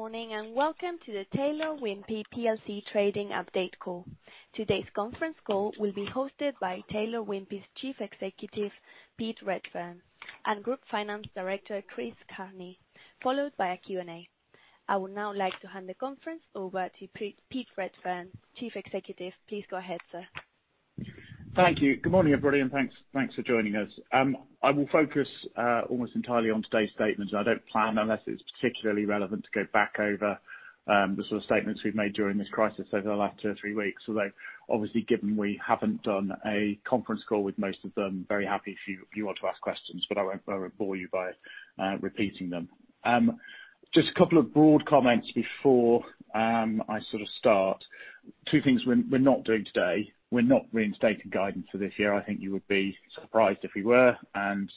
Good morning, welcome to the Taylor Wimpey Plc trading update call. Today's conference call will be hosted by Taylor Wimpey's Chief Executive, Pete Redfern, and Group Finance Director, Chris Carney, followed by a Q&A. I would now like to hand the conference over to Pete Redfern, Chief Executive. Please go ahead, sir. Thank you. Good morning, everybody, and thanks for joining us. I will focus almost entirely on today's statements. I don't plan, unless it's particularly relevant, to go back over the sort of statements we've made during this crisis over the last two or three weeks. Although, obviously, given we haven't done a conference call with most of them, very happy if you want to ask questions, but I won't bore you by repeating them. Just a couple of broad comments before I start. Two things we're not doing today. We're not reinstating guidance for this year. I think you would be surprised if we were, and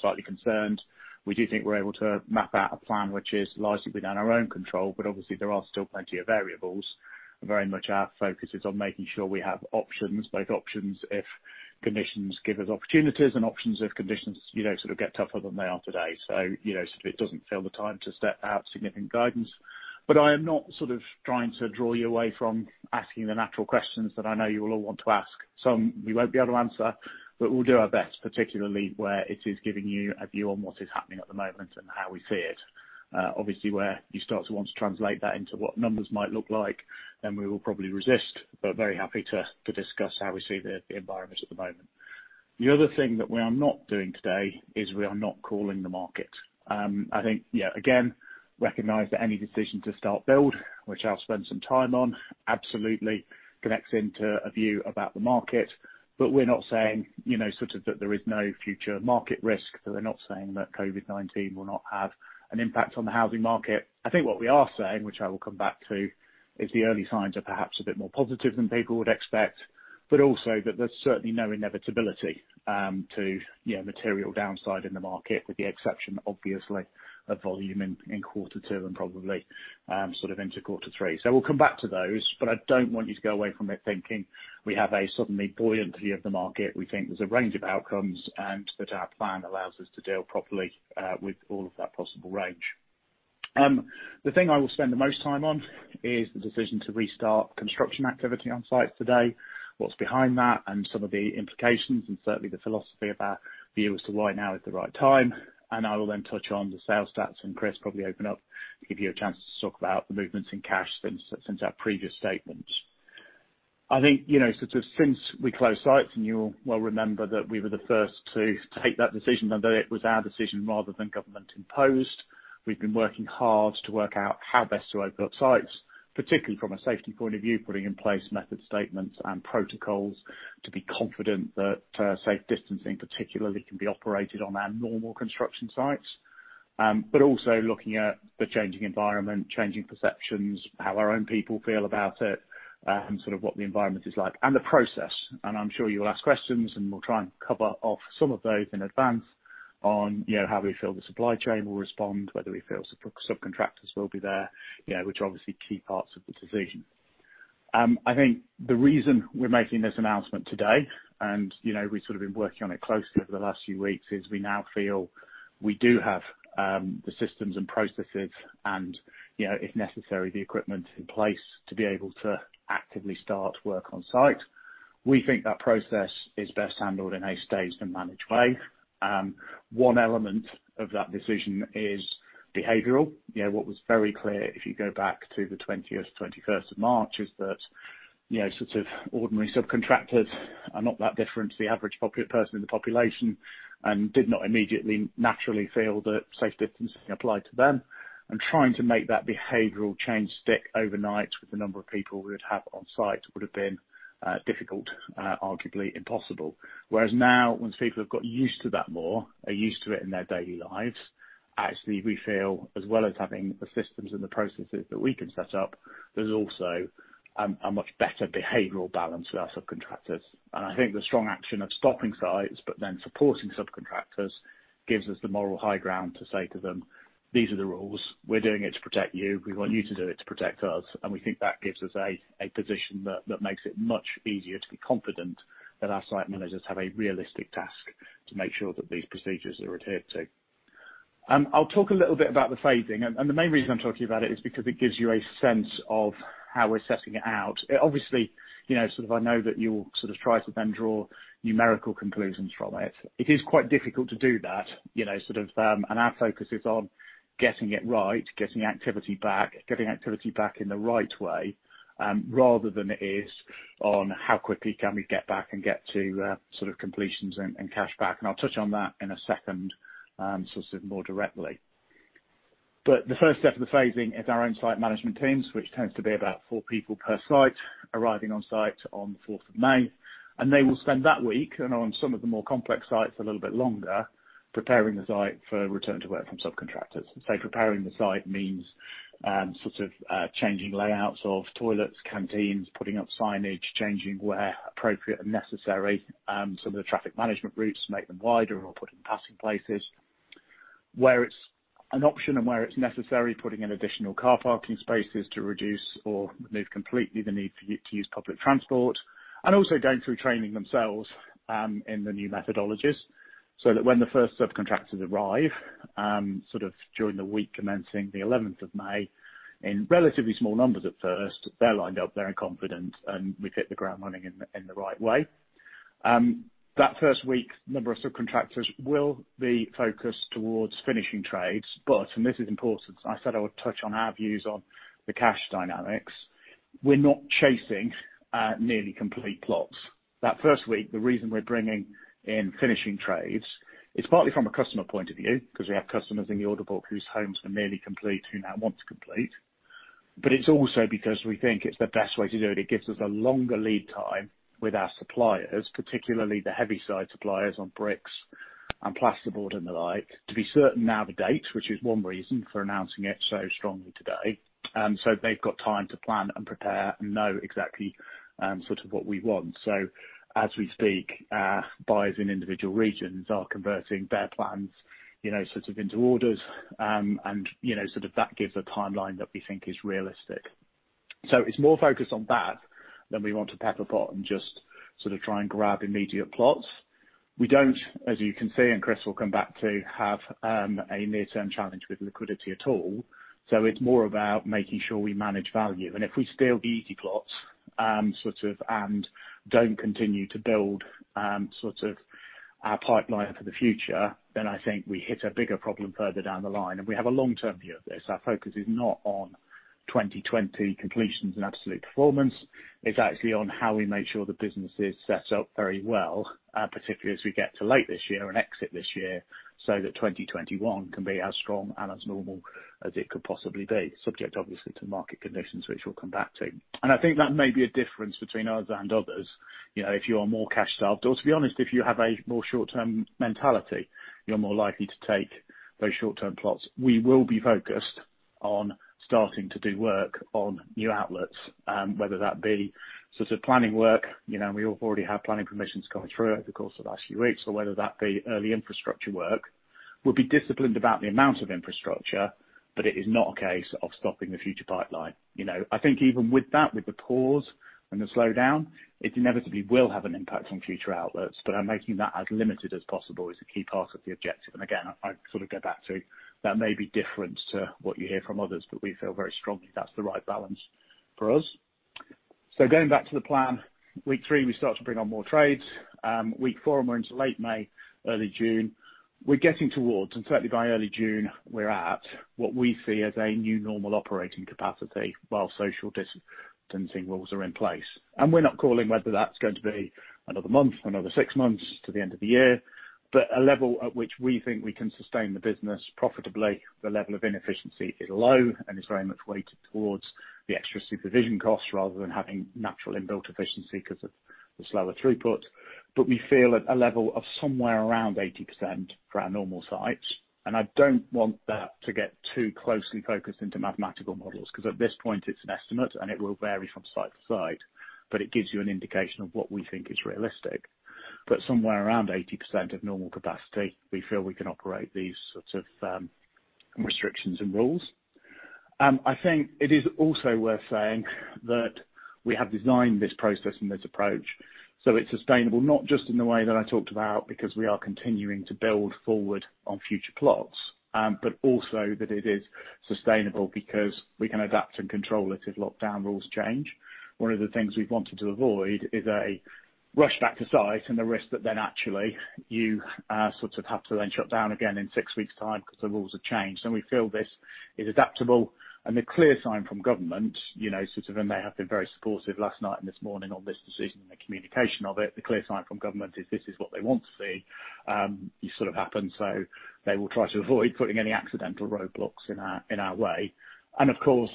slightly concerned. We do think we're able to map out a plan which is largely within our own control, but obviously there are still plenty of variables. Very much our focus is on making sure we have options, both options if conditions give us opportunities and options if conditions get tougher than they are today. It doesn't feel the time to set out significant guidance. I am not trying to draw you away from asking the natural questions that I know you will all want to ask. Some we won't be able to answer, but we'll do our best, particularly where it is giving you a view on what is happening at the moment and how we see it. Obviously, where you start to want to translate that into what numbers might look like, then we will probably resist, but very happy to discuss how we see the environment at the moment. The other thing that we are not doing today is we are not calling the market. I think, again, recognize that any decision to start build, which I'll spend some time on, absolutely connects into a view about the market, but we're not saying that there is no future market risk, that we're not saying that COVID-19 will not have an impact on the housing market. I think what we are saying, which I will come back to, is the early signs are perhaps a bit more positive than people would expect, but also that there's certainly no inevitability to material downside in the market, with the exception, obviously, of volume in quarter two and probably into quarter three. We'll come back to those, but I don't want you to go away from it thinking we have a suddenly buoyant view of the market. We think there's a range of outcomes and that our plan allows us to deal properly with all of that possible range. The thing I will spend the most time on is the decision to restart construction activity on site today, what's behind that, and some of the implications, and certainly the philosophy of our view as to why now is the right time. I will then touch on the sales stats, and Chris probably open up, give you a chance to talk about the movements in cash since our previous statement. I think since we closed sites, and you will well remember that we were the first to take that decision and that it was our decision rather than government imposed. We've been working hard to work out how best to open up sites, particularly from a safety point of view, putting in place method statements and protocols to be confident that safe distancing particularly can be operated on our normal construction sites. Also looking at the changing environment, changing perceptions, how our own people feel about it, and what the environment is like, and the process. I'm sure you will ask questions and we'll try and cover off some of those in advance on how we feel the supply chain will respond, whether we feel subcontractors will be there, which are obviously key parts of the decision. I think the reason we're making this announcement today, and we've been working on it closely over the last few weeks, is we now feel we do have the systems and processes and, if necessary, the equipment in place to be able to actively start work on site. We think that process is best handled in a staged and managed way. One element of that decision is behavioral. What was very clear, if you go back to the 20th, 21st of March, is that ordinary subcontractors are not that different to the average person in the population and did not immediately naturally feel that safe distancing applied to them. Trying to make that behavioral change stick overnight with the number of people we would have on site would have been difficult, arguably impossible. Whereas now, once people have got used to that more, are used to it in their daily lives, actually, we feel as well as having the systems and the processes that we can set up, there's also a much better behavioral balance with our subcontractors. I think the strong action of stopping sites but then supporting subcontractors gives us the moral high ground to say to them, "These are the rules. We're doing it to protect you. We want you to do it to protect us." We think that gives us a position that makes it much easier to be confident that our site managers have a realistic task to make sure that these procedures are adhered to. I'll talk a little bit about the phasing, and the main reason I'm talking about it is because it gives you a sense of how we're setting it out. Obviously, I know that you will try to draw numerical conclusions from it. It is quite difficult to do that, and our focus is on getting it right, getting activity back, getting activity back in the right way, rather than it is on how quickly can we get back and get to completions and cash back. I'll touch on that in a second, more directly. The first step of the phasing is our own site management teams, which tends to be about four people per site, arriving on site on the 4th of May, and they will spend that week, and on some of the more complex sites a little bit longer, preparing the site for return to work from subcontractors. Preparing the site means changing layouts of toilets, canteens, putting up signage, changing where appropriate and necessary some of the traffic management routes to make them wider or put in passing places. Where it's an option and where it's necessary, putting in additional car parking spaces to reduce or remove completely the need to use public transport. Also going through training themselves in the new methodologies, so that when the first subcontractors arrive, during the week commencing the 11th of May, in relatively small numbers at first, they're lined up, they're very confident, and we have hit the ground running in the right way. That first week, number of subcontractors will be focused towards finishing trades. This is important, because I said I would touch on our views on the cash dynamics. We are not chasing nearly complete plots. That first week, the reason we're bringing in finishing trades is partly from a customer point of view, because we have customers in the order book whose homes are nearly complete who now want to complete, but it's also because we think it's the best way to do it. It gives us a longer lead time with our suppliers, particularly the heavyside suppliers on bricks and plasterboard and the like, to be certain now of the dates, which is one reason for announcing it so strongly today. They've got time to plan and prepare and know exactly what we want. As we speak, buyers in individual regions are converting their plans into orders, and that gives a timeline that we think is realistic. It's more focused on that than we want to pepper pot and just try and grab immediate plots. We don't, as you can see, and Chris will come back to, have a near-term challenge with liquidity at all, so it's more about making sure we manage value. If we steal the easy plots, and don't continue to build our pipeline for the future, then I think we hit a bigger problem further down the line. We have a long-term view of this. Our focus is not on 2020 completions and absolute performance. It's actually on how we make sure the business is set up very well, particularly as we get to late this year and exit this year, so that 2021 can be as strong and as normal as it could possibly be, subject obviously to market conditions, which we'll come back to. I think that may be a difference between us and others. If you are more cash-starved, or to be honest, if you have a more short-term mentality, you're more likely to take those short-term plots. We will be focused on starting to do work on new outlets, whether that be planning work. We already have planning permissions coming through over the course of the last few weeks, or whether that be early infrastructure work. We'll be disciplined about the amount of infrastructure, but it is not a case of stopping the future pipeline. I think even with that, with the pause and the slowdown, it inevitably will have an impact on future outlets, but making that as limited as possible is a key part of the objective, and again, I go back to, that may be different to what you hear from others, but we feel very strongly that's the right balance for us. Going back to the plan, week three, we start to bring on more trades. Week four, and we're into late May, early June, we're getting towards, and certainly by early June we're at, what we see as a new normal operating capacity while social distancing rules are in place. We're not calling whether that's going to be another month, six months to the end of the year, but a level at which we think we can sustain the business profitably. The level of inefficiency is low and is very much weighted towards the extra supervision costs rather than having natural inbuilt efficiency because of the slower throughput. We feel at a level of somewhere around 80% for our normal sites. I don't want that to get too closely focused into mathematical models, because at this point it's an estimate and it will vary from site to site, but it gives you an indication of what we think is realistic. Somewhere around 80% of normal capacity, we feel we can operate these sorts of restrictions and rules. I think it is also worth saying that we have designed this process and this approach so it's sustainable, not just in the way that I talked about because we are continuing to build forward on future plots, but also that it is sustainable because we can adapt and control it if lockdown rules change. One of the things we've wanted to avoid is a rush back to site and the risk that then actually you have to then shut down again in six weeks' time because the rules have changed. We feel this is adaptable and the clear sign from government, and they have been very supportive last night and this morning on this decision and the communication of it, the clear sign from government is this is what they want to see happen, so they will try to avoid putting any accidental roadblocks in our way. Of course,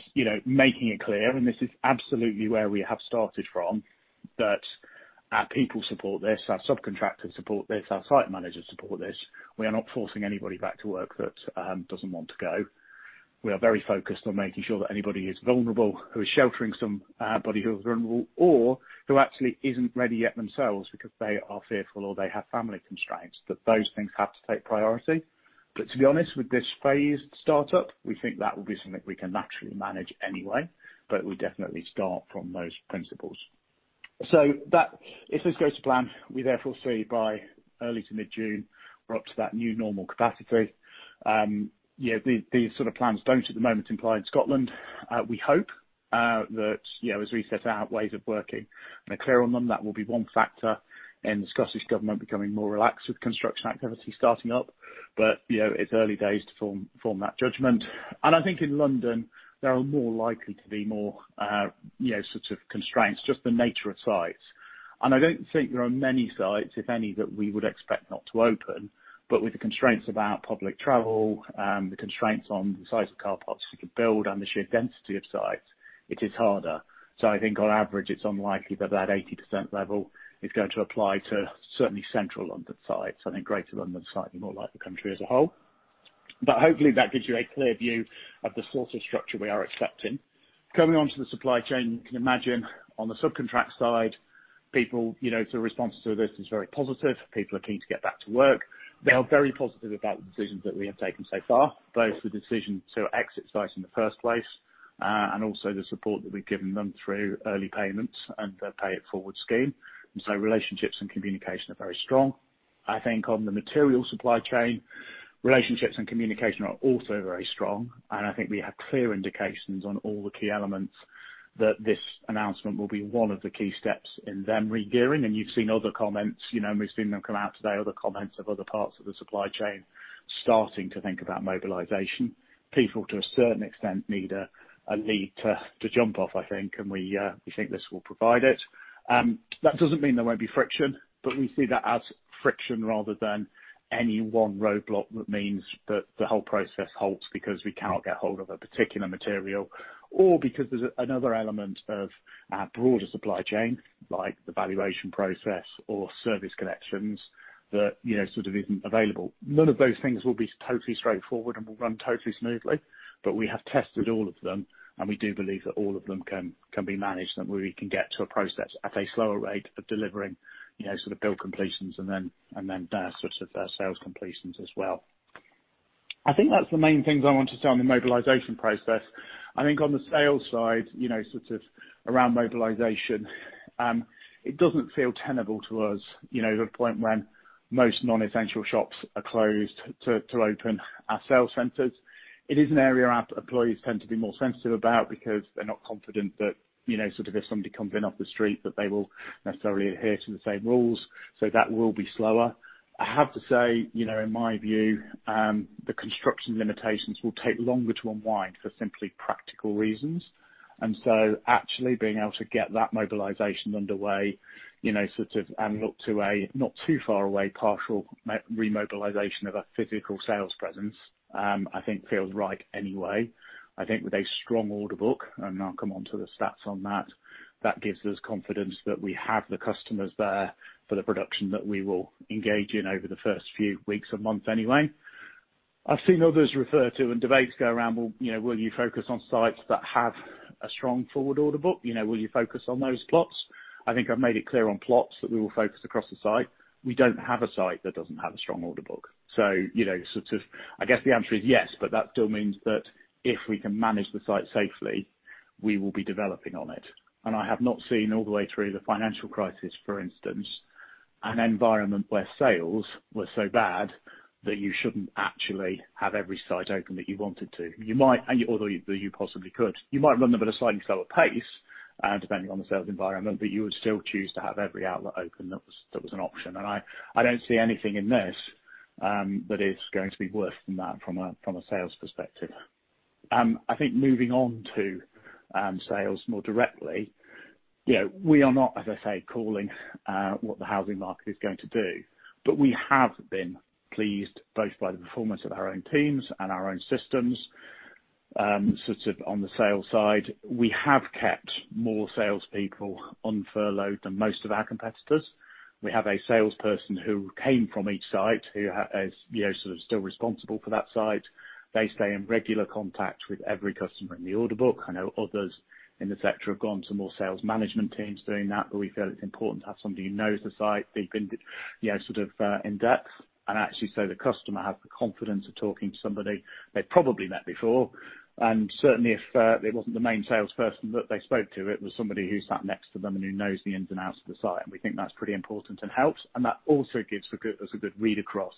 making it clear, and this is absolutely where we have started from, that our people support this, our subcontractors support this, our site managers support this. We are not forcing anybody back to work that doesn't want to go. We are very focused on making sure that anybody who is sheltering somebody who is vulnerable or who actually isn't ready yet themselves because they are fearful or they have family constraints, that those things have to take priority. To be honest, with this phased startup, we think that will be something we can naturally manage anyway. We definitely start from those principles. If this goes to plan, we therefore see by early to mid-June, we're up to that new normal capacity. These sort of plans don't at the moment imply in Scotland. We hope that as we set out ways of working and are clear on them, that will be one factor in the Scottish Government becoming more relaxed with construction activity starting up. It's early days to form that judgment. I think in London there are more likely to be more constraints, just the nature of sites. I don't think there are many sites, if any, that we would expect not to open. With the constraints about public travel, the constraints on the size of car parks you can build, and the sheer density of sites, it is harder. I think on average it's unlikely that that 80% level is going to apply to certainly Central London sites. I think Greater London is slightly more like the country as a whole. Hopefully that gives you a clear view of the sort of structure we are accepting. Coming onto the supply chain, you can imagine on the subcontract side, people, the response to this is very positive. People are keen to get back to work. They are very positive about the decisions that we have taken so far, both the decision to exit sites in the first place, and also the support that we've given them through early payments and the Pay It Forward scheme. Relationships and communication are very strong. I think on the material supply chain, relationships and communication are also very strong, and I think we have clear indications on all the key elements that this announcement will be one of the key steps in them regearing. You've seen other comments, we've seen them come out today, other comments of other parts of the supply chain starting to think about mobilization. People, to a certain extent, need a lead to jump off, I think, and we think this will provide it. That doesn't mean there won't be friction, but we see that as friction rather than any one roadblock that means that the whole process halts because we cannot get hold of a particular material, or because there's another element of our broader supply chain, like the valuation process or service connections that sort of isn't available. None of those things will be totally straightforward and will run totally smoothly, but we have tested all of them, and we do believe that all of them can be managed, and we can get to a process at a slower rate of delivering sort of build completions and then their sales completions as well. I think that's the main things I want to say on the mobilization process. I think on the sales side, sort of around mobilization, it doesn't feel tenable to us, the point when most non-essential shops are closed to open our sales centers. It is an area our employees tend to be more sensitive about because they're not confident that, sort of if somebody comes in off the street, that they will necessarily adhere to the same rules. That will be slower. I have to say, in my view, the construction limitations will take longer to unwind for simply practical reasons. Actually being able to get that mobilization underway, sort of, and look to a not too far away partial remobilization of a physical sales presence, I think feels right anyway. I'll come onto the stats on that gives us confidence that we have the customers there for the production that we will engage in over the first few weeks or months anyway. I've seen others refer to, and debates go around, well, will you focus on sites that have a strong forward order book? Will you focus on those plots? I think I've made it clear on plots that we will focus across the site. We don't have a site that doesn't have a strong order book. I guess the answer is yes, but that still means that if we can manage the site safely, we will be developing on it. I have not seen all the way through the financial crisis, for instance, an environment where sales were so bad that you shouldn't actually have every site open that you wanted to. You might, although you possibly could. You might run them at a slightly slower pace, depending on the sales environment, but you would still choose to have every outlet open that was an option. I don't see anything in this that is going to be worse than that from a sales perspective. I think moving on to sales more directly. We are not, as I say, calling what the housing market is going to do. We have been pleased both by the performance of our own teams and our own systems, sort of on the sales side. We have kept more salespeople on furlough than most of our competitors. We have a salesperson who came from each site who is still responsible for that site. They stay in regular contact with every customer in the order book. I know others in the sector have gone to more sales management teams doing that, but we feel it's important to have somebody who knows the site deep in depth. Actually, so the customer has the confidence of talking to somebody they probably met before. Certainly, if it wasn't the main salesperson that they spoke to, it was somebody who sat next to them and who knows the ins and outs of the site. We think that's pretty important and helps, and that also gives us a good read across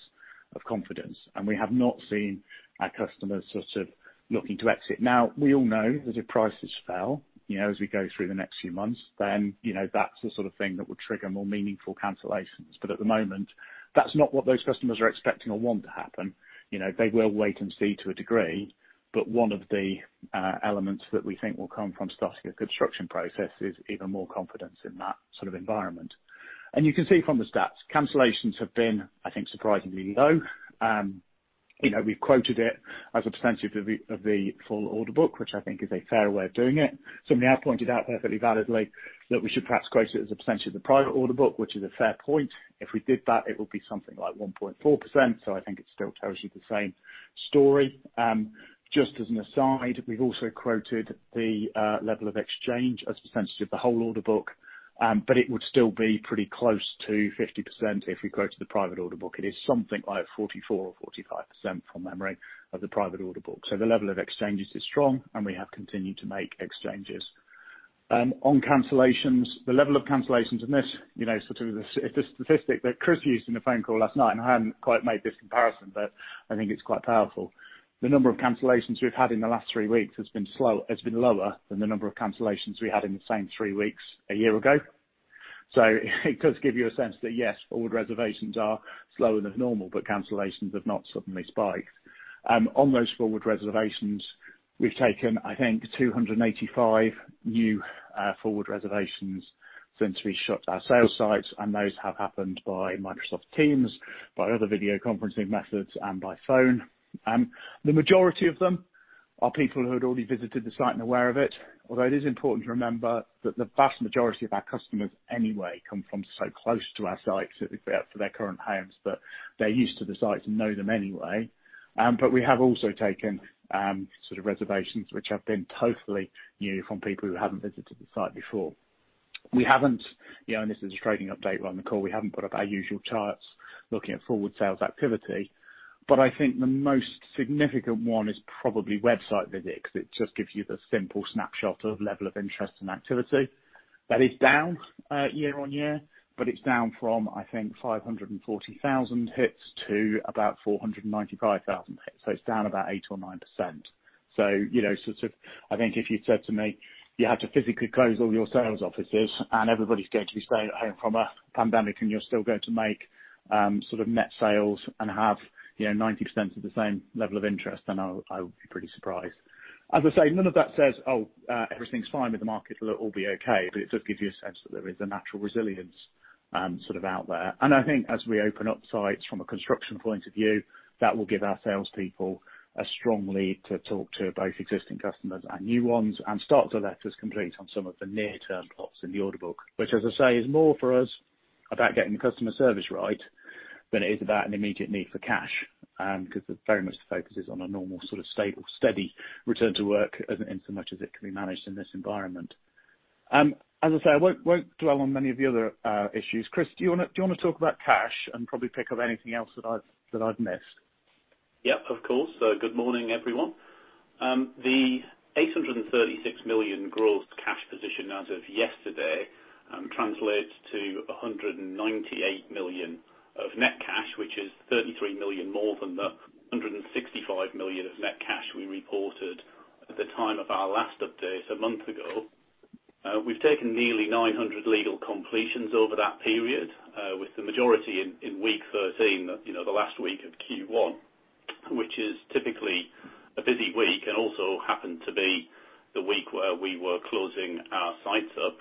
of confidence. We have not seen our customers sort of looking to exit. Now, we all know that if prices fell as we go through the next few months, then that's the sort of thing that would trigger more meaningful cancellations. At the moment, that's not what those customers are expecting or want to happen. They will wait and see to a degree, but one of the elements that we think will come from starting a construction process is even more confidence in that sort of environment. You can see from the stats, cancellations have been, I think, surprisingly low. We've quoted it as a percentage of the full order book, which I think is a fair way of doing it. Some have pointed out perfectly validly that we should perhaps quote it as a percentage of the private order book, which is a fair point. If we did that, it would be something like 1.4%. I think it still tells you the same story. Just as an aside, we've also quoted the level of exchange as a percentage of the whole order book, but it would still be pretty close to 50% if you go to the private order book. It is something like 44% or 45% from memory of the private order book. The level of exchanges is strong, and we have continued to make exchanges. On cancellations, the level of cancellations, and this sort of statistic that Chris used in the phone call last night, and I hadn't quite made this comparison, but I think it's quite powerful. The number of cancellations we've had in the last three weeks has been lower than the number of cancellations we had in the same three weeks a year ago. It does give you a sense that, yes, forward reservations are slower than normal, but cancellations have not suddenly spiked. On those forward reservations, we've taken, I think, 285 new forward reservations since we shut our sales sites, and those have happened by Microsoft Teams, by other video conferencing methods, and by phone. The majority of them are people who had already visited the site and aware of it. Although it is important to remember that the vast majority of our customers anyway come from so close to our sites for their current homes, that they're used to the sites and know them anyway. We have also taken sort of reservations which have been totally new from people who haven't visited the site before. We haven't, this is a trading update we're on the call, we haven't put up our usual charts looking at forward sales activity. I think the most significant one is probably website visits, because it just gives you the simple snapshot of level of interest and activity. That is down year-on-year, but it's down from, I think, 540,000 hits to about 495,000 hits. It's down about 8% or 9%. I think if you said to me, you had to physically close all your sales offices and everybody's going to be staying at home from a pandemic, and you're still going to make net sales and have 90% of the same level of interest, then I would be pretty surprised. As I say, none of that says, oh, everything's fine with the market, it'll all be okay. It does give you a sense that there is a natural resilience out there. I think as we open up sites from a construction point of view, that will give our salespeople a strong lead to talk to both existing customers and new ones and start to let us complete on some of the near-term plots in the order book. Which, as I say, is more for us about getting the customer service right than it is about an immediate need for cash, because very much the focus is on a normal, stable, steady return to work inasmuch as it can be managed in this environment. As I say, I won't dwell on many of the other issues. Chris, do you want to talk about cash and probably pick up anything else that I've missed? Yeah, of course. Good morning, everyone. The 836 million gross cash position as of yesterday translates to 198 million of net cash, which is 33 million more than the 165 million of net cash we reported at the time of our last update a month ago. We've taken nearly 900 legal completions over that period, with the majority in week 13, the last week of Q1, which is typically a busy week and also happened to be the week where we were closing our sites up.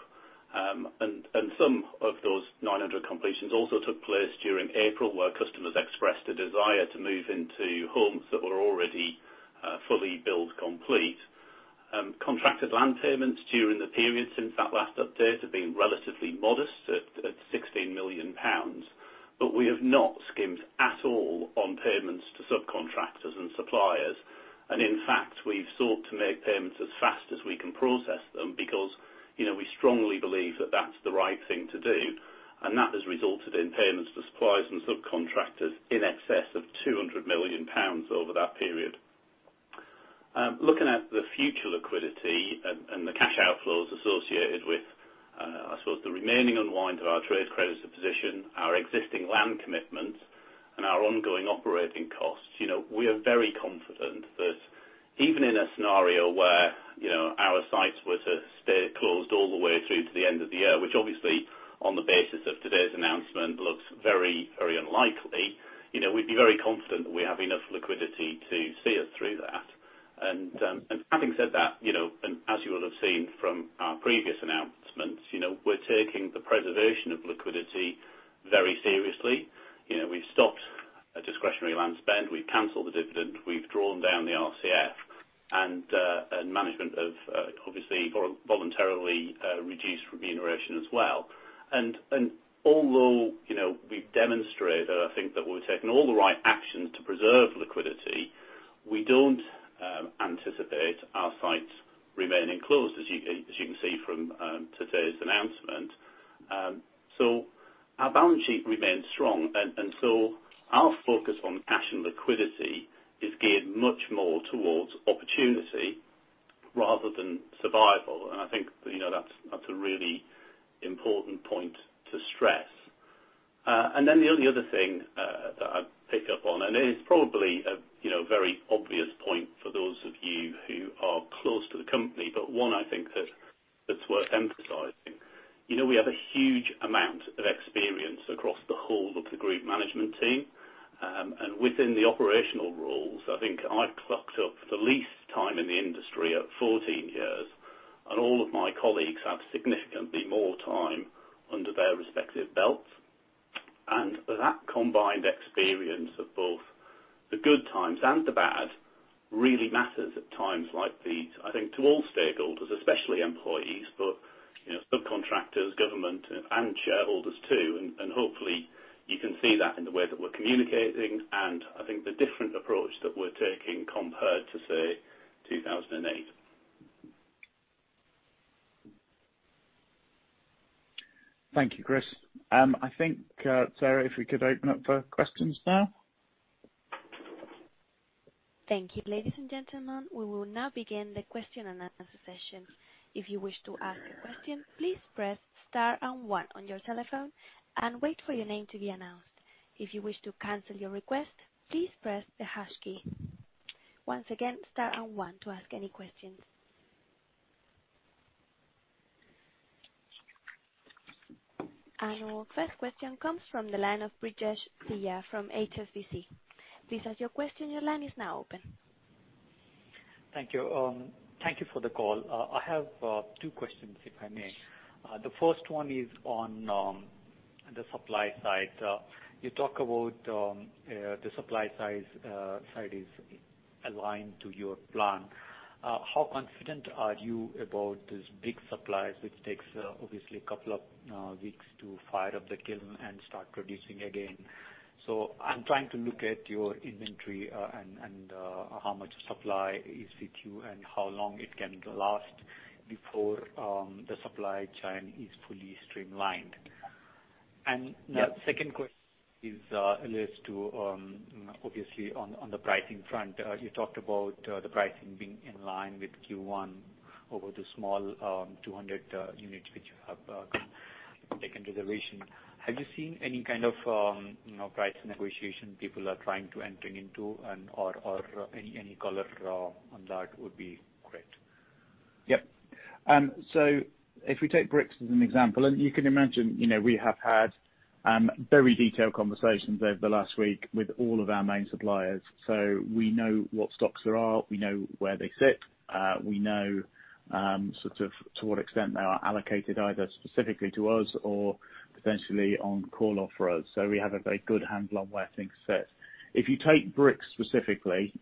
Some of those 900 completions also took place during April, where customers expressed a desire to move into homes that were already fully build complete. Contracted land payments during the period since that last update have been relatively modest at 16 million pounds. We have not skimped at all on payments to subcontractors and suppliers. In fact, we've sought to make payments as fast as we can process them because we strongly believe that that's the right thing to do. That has resulted in payments to suppliers and subcontractors in excess of 200 million pounds over that period. Looking at the future liquidity and the cash outflows associated with, I suppose, the remaining unwind of our trade creditor position, our existing land commitments, and our ongoing operating costs. We are very confident that even in a scenario where our sites were to stay closed all the way through to the end of the year, which obviously, on the basis of today's announcement, looks very, very unlikely, we'd be very confident that we have enough liquidity to see us through that. Having said that, and as you will have seen from our previous announcements, we're taking the preservation of liquidity very seriously. We've stopped discretionary land spend, we've canceled the dividend, we've drawn down the RCF and management have obviously voluntarily reduced remuneration as well. Although we've demonstrated, I think that we've taken all the right actions to preserve liquidity, we don't anticipate our sites remaining closed, as you can see from today's announcement. Our balance sheet remains strong, our focus on cash and liquidity is geared much more towards opportunity rather than survival, and I think that's a really important point to stress. The only other thing that I'd pick up on, and it is probably a very obvious point for those of you who are close to the company, but one I think that's worth emphasizing. We have a huge amount of experience across the whole of the group management team. Within the operational roles, I think I clocked up the least time in the industry at 14 years, and all of my colleagues have significantly more time under their respective belts. That combined experience of both the good times and the bad really matters at times like these, I think to all stakeholders, especially employees, but subcontractors, government, and shareholders too. Hopefully you can see that in the way that we're communicating and I think the different approach that we're taking compared to, say, 2008. Thank you, Chris. I think, Sarah, if we could open up for questions now. Thank you. Ladies and gentlemen, we will now begin the question and answer session. If you wish to ask a question, please press star and one on your telephone and wait for your name to be announced. If you wish to cancel your request, please press the hash key. Once again, star and one to ask any questions. Our first question comes from the line of Brijesh Siya from HSBC. Please ask your question. Your line is now open. Thank you. Thank you for the call. I have two questions, if I may. The first one is on the supply side. You talk about the supply side is aligned to your plan. How confident are you about these big supplies, which takes obviously a couple of weeks to fire up the kiln and start producing again. I'm trying to look at your inventory, and how much supply is with you, and how long it can last before the supply chain is fully streamlined. The second question is related to, obviously, on the pricing front. You talked about the pricing being in line with Q1 over the small 200 units which you have taken reservation. Have you seen any kind of price negotiation people are trying to entering into? Any color on that would be great. Yep. If we take bricks as an example, and you can imagine, we have had very detailed conversations over the last week with all of our main suppliers. We know what stocks there are, we know where they sit, we know sort of to what extent they are allocated, either specifically to us or potentially on call off for us. If you take bricks specifically,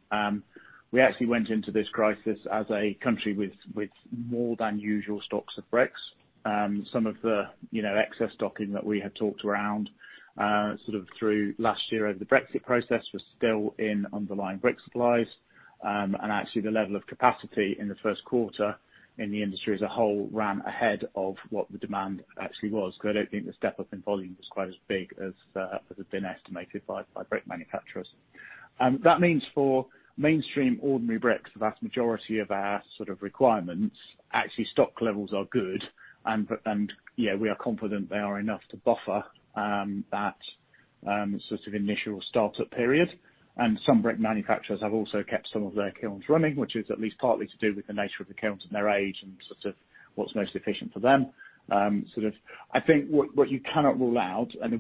we actually went into this crisis as a country with more than usual stocks of bricks. Some of the excess stocking that we had talked around sort of through last year over the Brexit process was still in underlying brick supplies. Actually, the level of capacity in the first quarter in the industry as a whole ran ahead of what the demand actually was. I don't think the step-up in volume was quite as big as has been estimated by brick manufacturers. That means for mainstream ordinary bricks, the vast majority of our sort of requirements, actually stock levels are good and we are confident they are enough to buffer that sort of initial startup period. Some brick manufacturers have also kept some of their kilns running, which is at least partly to do with the nature of the kilns and their age and sort of what's most efficient for them. I think what you cannot rule out, and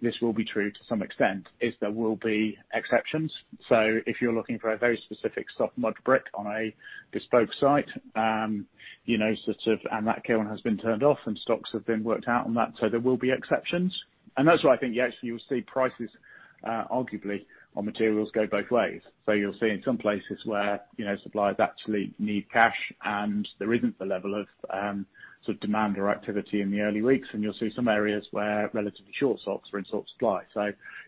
this will be true to some extent, is there will be exceptions. If you're looking for a very specific soft mud brick on a bespoke site, and that kiln has been turned off and stocks have been worked out on that, so there will be exceptions. That's why I think, actually, you'll see prices arguably on materials go both ways. You'll see in some places where suppliers actually need cash and there isn't the level of demand or activity in the early weeks, and you'll see some areas where relatively short stocks are in short supply.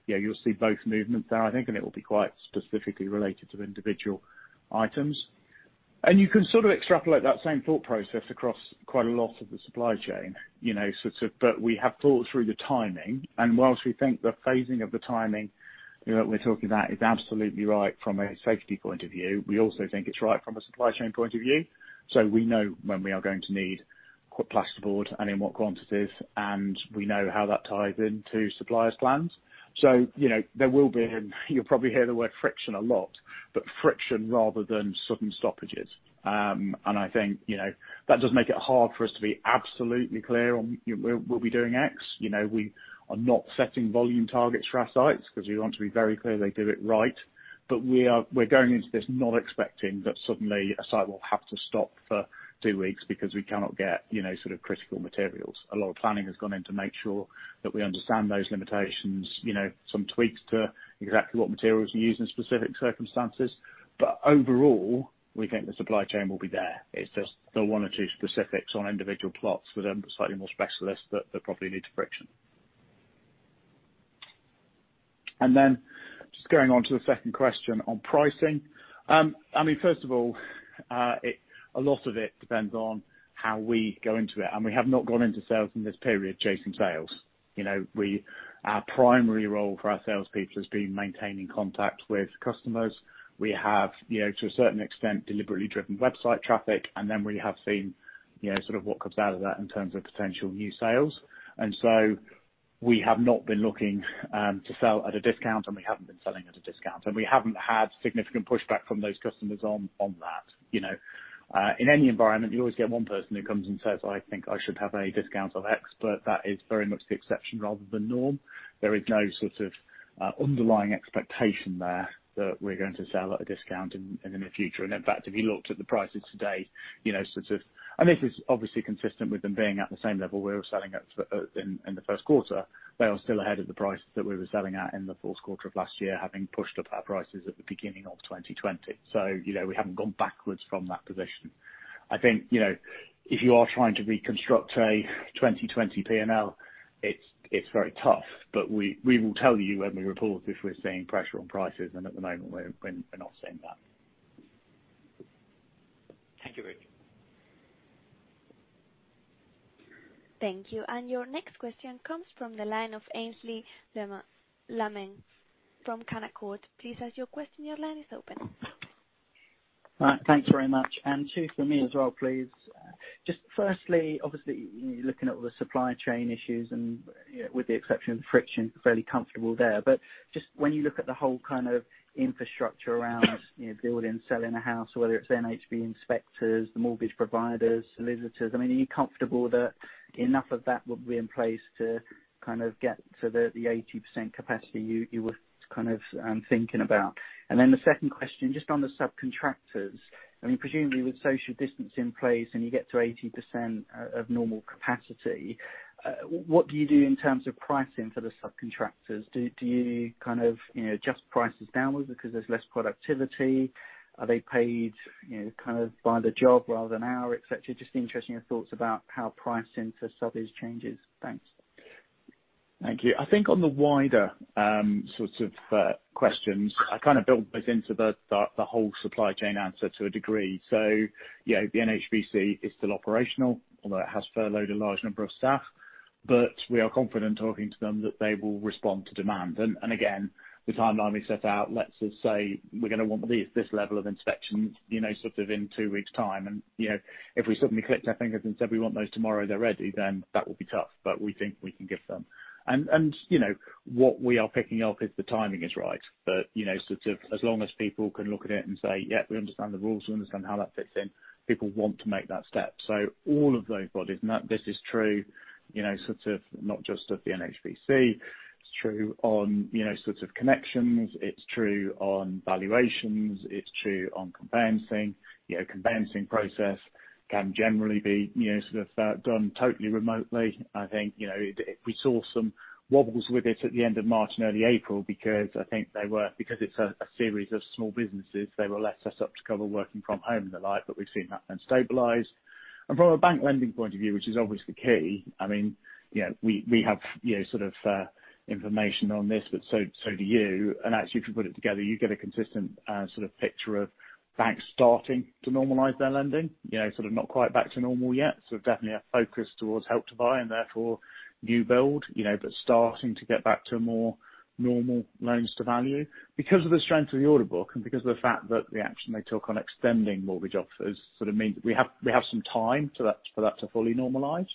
Yeah, you'll see both movements there, I think, and it will be quite specifically related to individual items. You can sort of extrapolate that same thought process across quite a lot of the supply chain. We have thought through the timing, and whilst we think the phasing of the timing that we're talking about is absolutely right from a safety point of view, we also think it's right from a supply chain point of view. We know when we are going to need plasterboard and in what quantities, and we know how that ties into suppliers' plans. You'll probably hear the word friction a lot, but friction rather than sudden stoppages. I think that does make it hard for us to be absolutely clear on we'll be doing X. We are not setting volume targets for our sites because we want to be very clear they do it right. We're going into this not expecting that suddenly a site will have to stop for two weeks because we cannot get critical materials. A lot of planning has gone in to make sure that we understand those limitations, some tweaks to exactly what materials are used in specific circumstances. Overall, we think the supply chain will be there. It's just the one or two specifics on individual plots that are slightly more specialist that probably lead to friction. Just going on to the second question on pricing. First of all, a lot of it depends on how we go into it, and we have not gone into sales in this period chasing sales. Our primary role for our salespeople has been maintaining contact with customers. We have, to a certain extent, deliberately driven website traffic, we have seen sort of what comes out of that in terms of potential new sales. We have not been looking to sell at a discount, and we haven't been selling at a discount. We haven't had significant pushback from those customers on that. In any environment, you always get one person who comes and says, "I think I should have a discount of X," that is very much the exception rather than norm. There is no sort of underlying expectation there that we're going to sell at a discount in the near future. In fact, if you looked at the prices today, and this is obviously consistent with them being at the same level we were selling at in the first quarter, they are still ahead of the price that we were selling at in the fourth quarter of last year, having pushed up our prices at the beginning of 2020. We haven't gone backwards from that position. I think, if you are trying to reconstruct a 2020 P&L, it's very tough. We will tell you when we report if we're seeing pressure on prices, and at the moment, we're not seeing that. Thank you. Thank you. Your next question comes from the line of Aynsley Lammin from Canaccord. Please ask your question. Your line is open. All right. Thanks very much. Two from me as well, please. Firstly, obviously, looking at all the supply chain issues and with the exception of Brexit, fairly comfortable there. When you look at the whole kind of infrastructure around building, selling a house, whether it's NHBC inspectors, the mortgage providers, solicitors, are you comfortable that enough of that will be in place to kind of get to the 80% capacity you were kind of thinking about? The second question, on the subcontractors. Presumably with social distancing in place and you get to 80% of normal capacity, what do you do in terms of pricing for the subcontractors? Do you kind of adjust prices downwards because there's less productivity? Are they paid kind of by the job rather than hour, et cetera? Interested in your thoughts about how pricing for subs changes? Thanks. Thank you. I think on the wider sorts of questions, I built this into the whole supply chain answer to a degree. Yeah, the NHBC is still operational, although it has furloughed a large number of staff. We are confident talking to them that they will respond to demand. Again, the timeline we set out, let's just say we're going to want this level of inspection sort of in two weeks' time. If we suddenly clicked our fingers and said we want those tomorrow, they're ready, then that would be tough, but we think we can give them. What we are picking up is the timing is right. As long as people can look at it and say, "Yep, we understand the rules, we understand how that fits in," people want to make that step. All of those bodies, and this is true not just of the NHBC, it's true on sorts of connections, it's true on valuations, it's true on conveyancing. Conveyancing process can generally be done totally remotely, I think. We saw some wobbles with it at the end of March and early April because I think because it's a series of small businesses, they were less set up to cover working from home and the like, but we've seen that then stabilize. From a bank lending point of view, which is obviously key, we have information on this, but so do you. As you put it together, you get a consistent picture of banks starting to normalize their lending. Sort of not quite back to normal yet, so definitely a focus towards Help to Buy and therefore new build, but starting to get back to a more normal loans to value. Because of the strength of the order book, and because of the fact that the action they took on extending mortgage offers sort of means we have some time for that to fully normalize.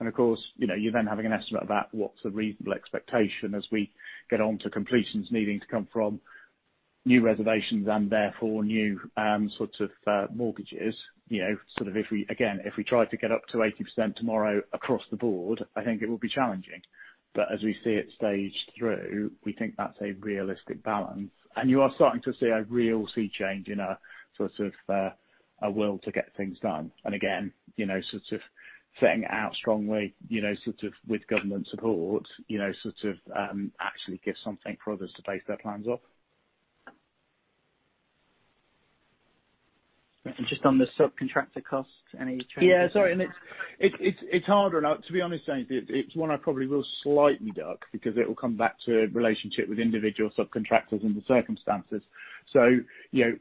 Of course, you then having an estimate about what's a reasonable expectation as we get on to completions needing to come from new reservations and therefore new sorts of mortgages. Again, if we tried to get up to 80% tomorrow across the board, I think it would be challenging. But as we see it staged through, we think that's a realistic balance. You are starting to see a real sea change in our will to get things done. Again, setting it out strongly with government support, sort of actually gives something for others to base their plans off. Just on the subcontractor costs, any change? Sorry, it's harder. Now, to be honest, it's one I probably will slightly duck because it will come back to relationship with individual subcontractors and the circumstances. The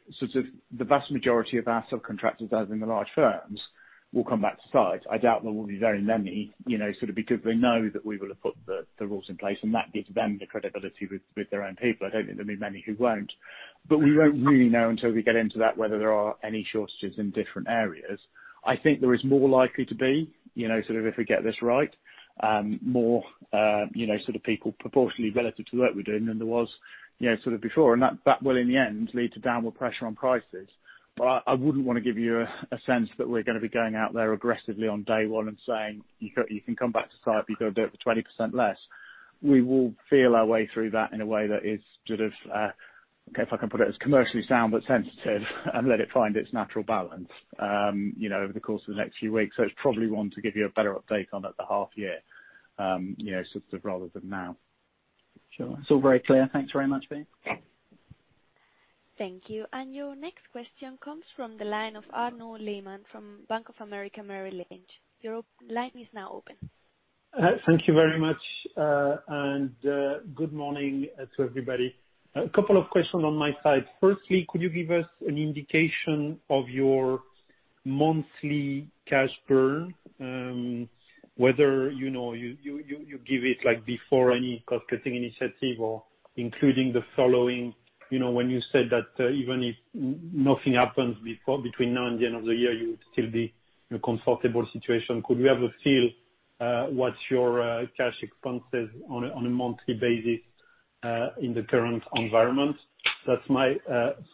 vast majority of our subcontractors, as in the large firms, will come back to site. I doubt there will be very many, because they know that we will have put the rules in place, and that gives them the credibility with their own people. I don't think there'll be many who won't. We won't really know until we get into that whether there are any shortages in different areas. I think there is more likely to be, if we get this right, more people proportionally relative to the work we're doing than there was before. That will, in the end, lead to downward pressure on prices. I wouldn't want to give you a sense that we're going to be going out there aggressively on day one and saying, "You can come back to site, but you've got to do it for 20% less." We will feel our way through that in a way that is sort of, if I can put it, as commercially sound, but sensitive and let it find its natural balance over the course of the next few weeks. It's probably one to give you a better update on at the half year rather than now. Sure. It's all very clear. Thanks very much. Thank you. Your next question comes from the line of Arnaud Lehmann from Bank of America Merrill Lynch. Your line is now open. Thank you very much, and good morning to everybody. A couple of questions on my side. Firstly, could you give us an indication of your monthly cash burn? Whether you give it before any cost-cutting initiative or including the following. When you said that even if nothing happens between now and the end of the year, you would still be in a comfortable situation. Could we have a feel what's your cash expenses on a monthly basis, in the current environment? That's my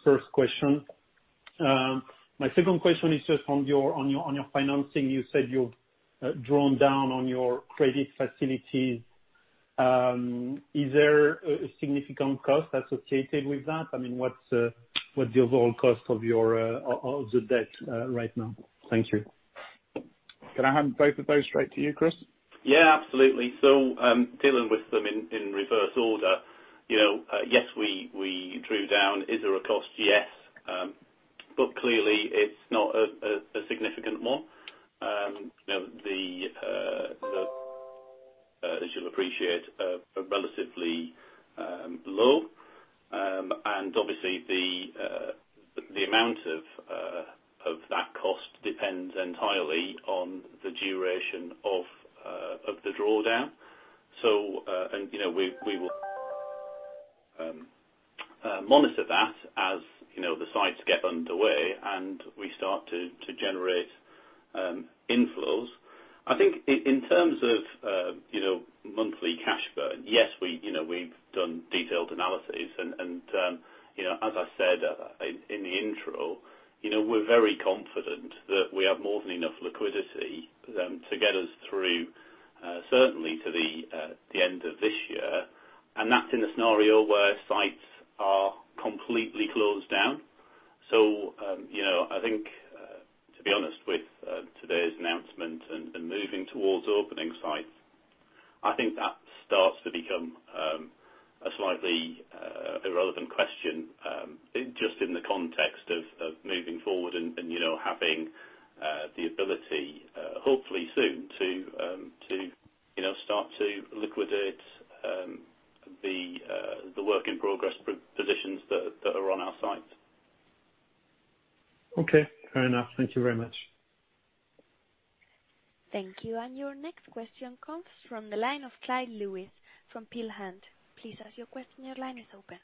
first question. My second question is just on your financing. You said you've drawn down on your credit facilities. Is there a significant cost associated with that? I mean, what's the overall cost of the debt right now? Thank you. Can I hand both of those straight to you, Chris? Yeah, absolutely. Dealing with them in reverse order. Yes, we drew down. Is there a cost? Yes. Clearly it's not a significant one. As you'll appreciate, relatively low. Obviously the amount of that cost depends entirely on the duration of the drawdown. We will monitor that as the sites get underway and we start to generate inflows. I think in terms of monthly cash burn, yes, we've done detailed analysis and, as I said in the intro, we're very confident that we have more than enough liquidity to get us through, certainly to the end of this year. That's in a scenario where sites are completely closed down. I think to be honest, with today's announcement and moving towards opening sites, I think that starts to become slightly irrelevant question. Just in the context of moving forward and having the ability, hopefully soon, to start to liquidate the work in progress positions that are on our sites. Okay, fair enough. Thank you very much. Thank you. Your next question comes from the line of Clyde Lewis from Peel Hunt. Please ask your question, your line is open.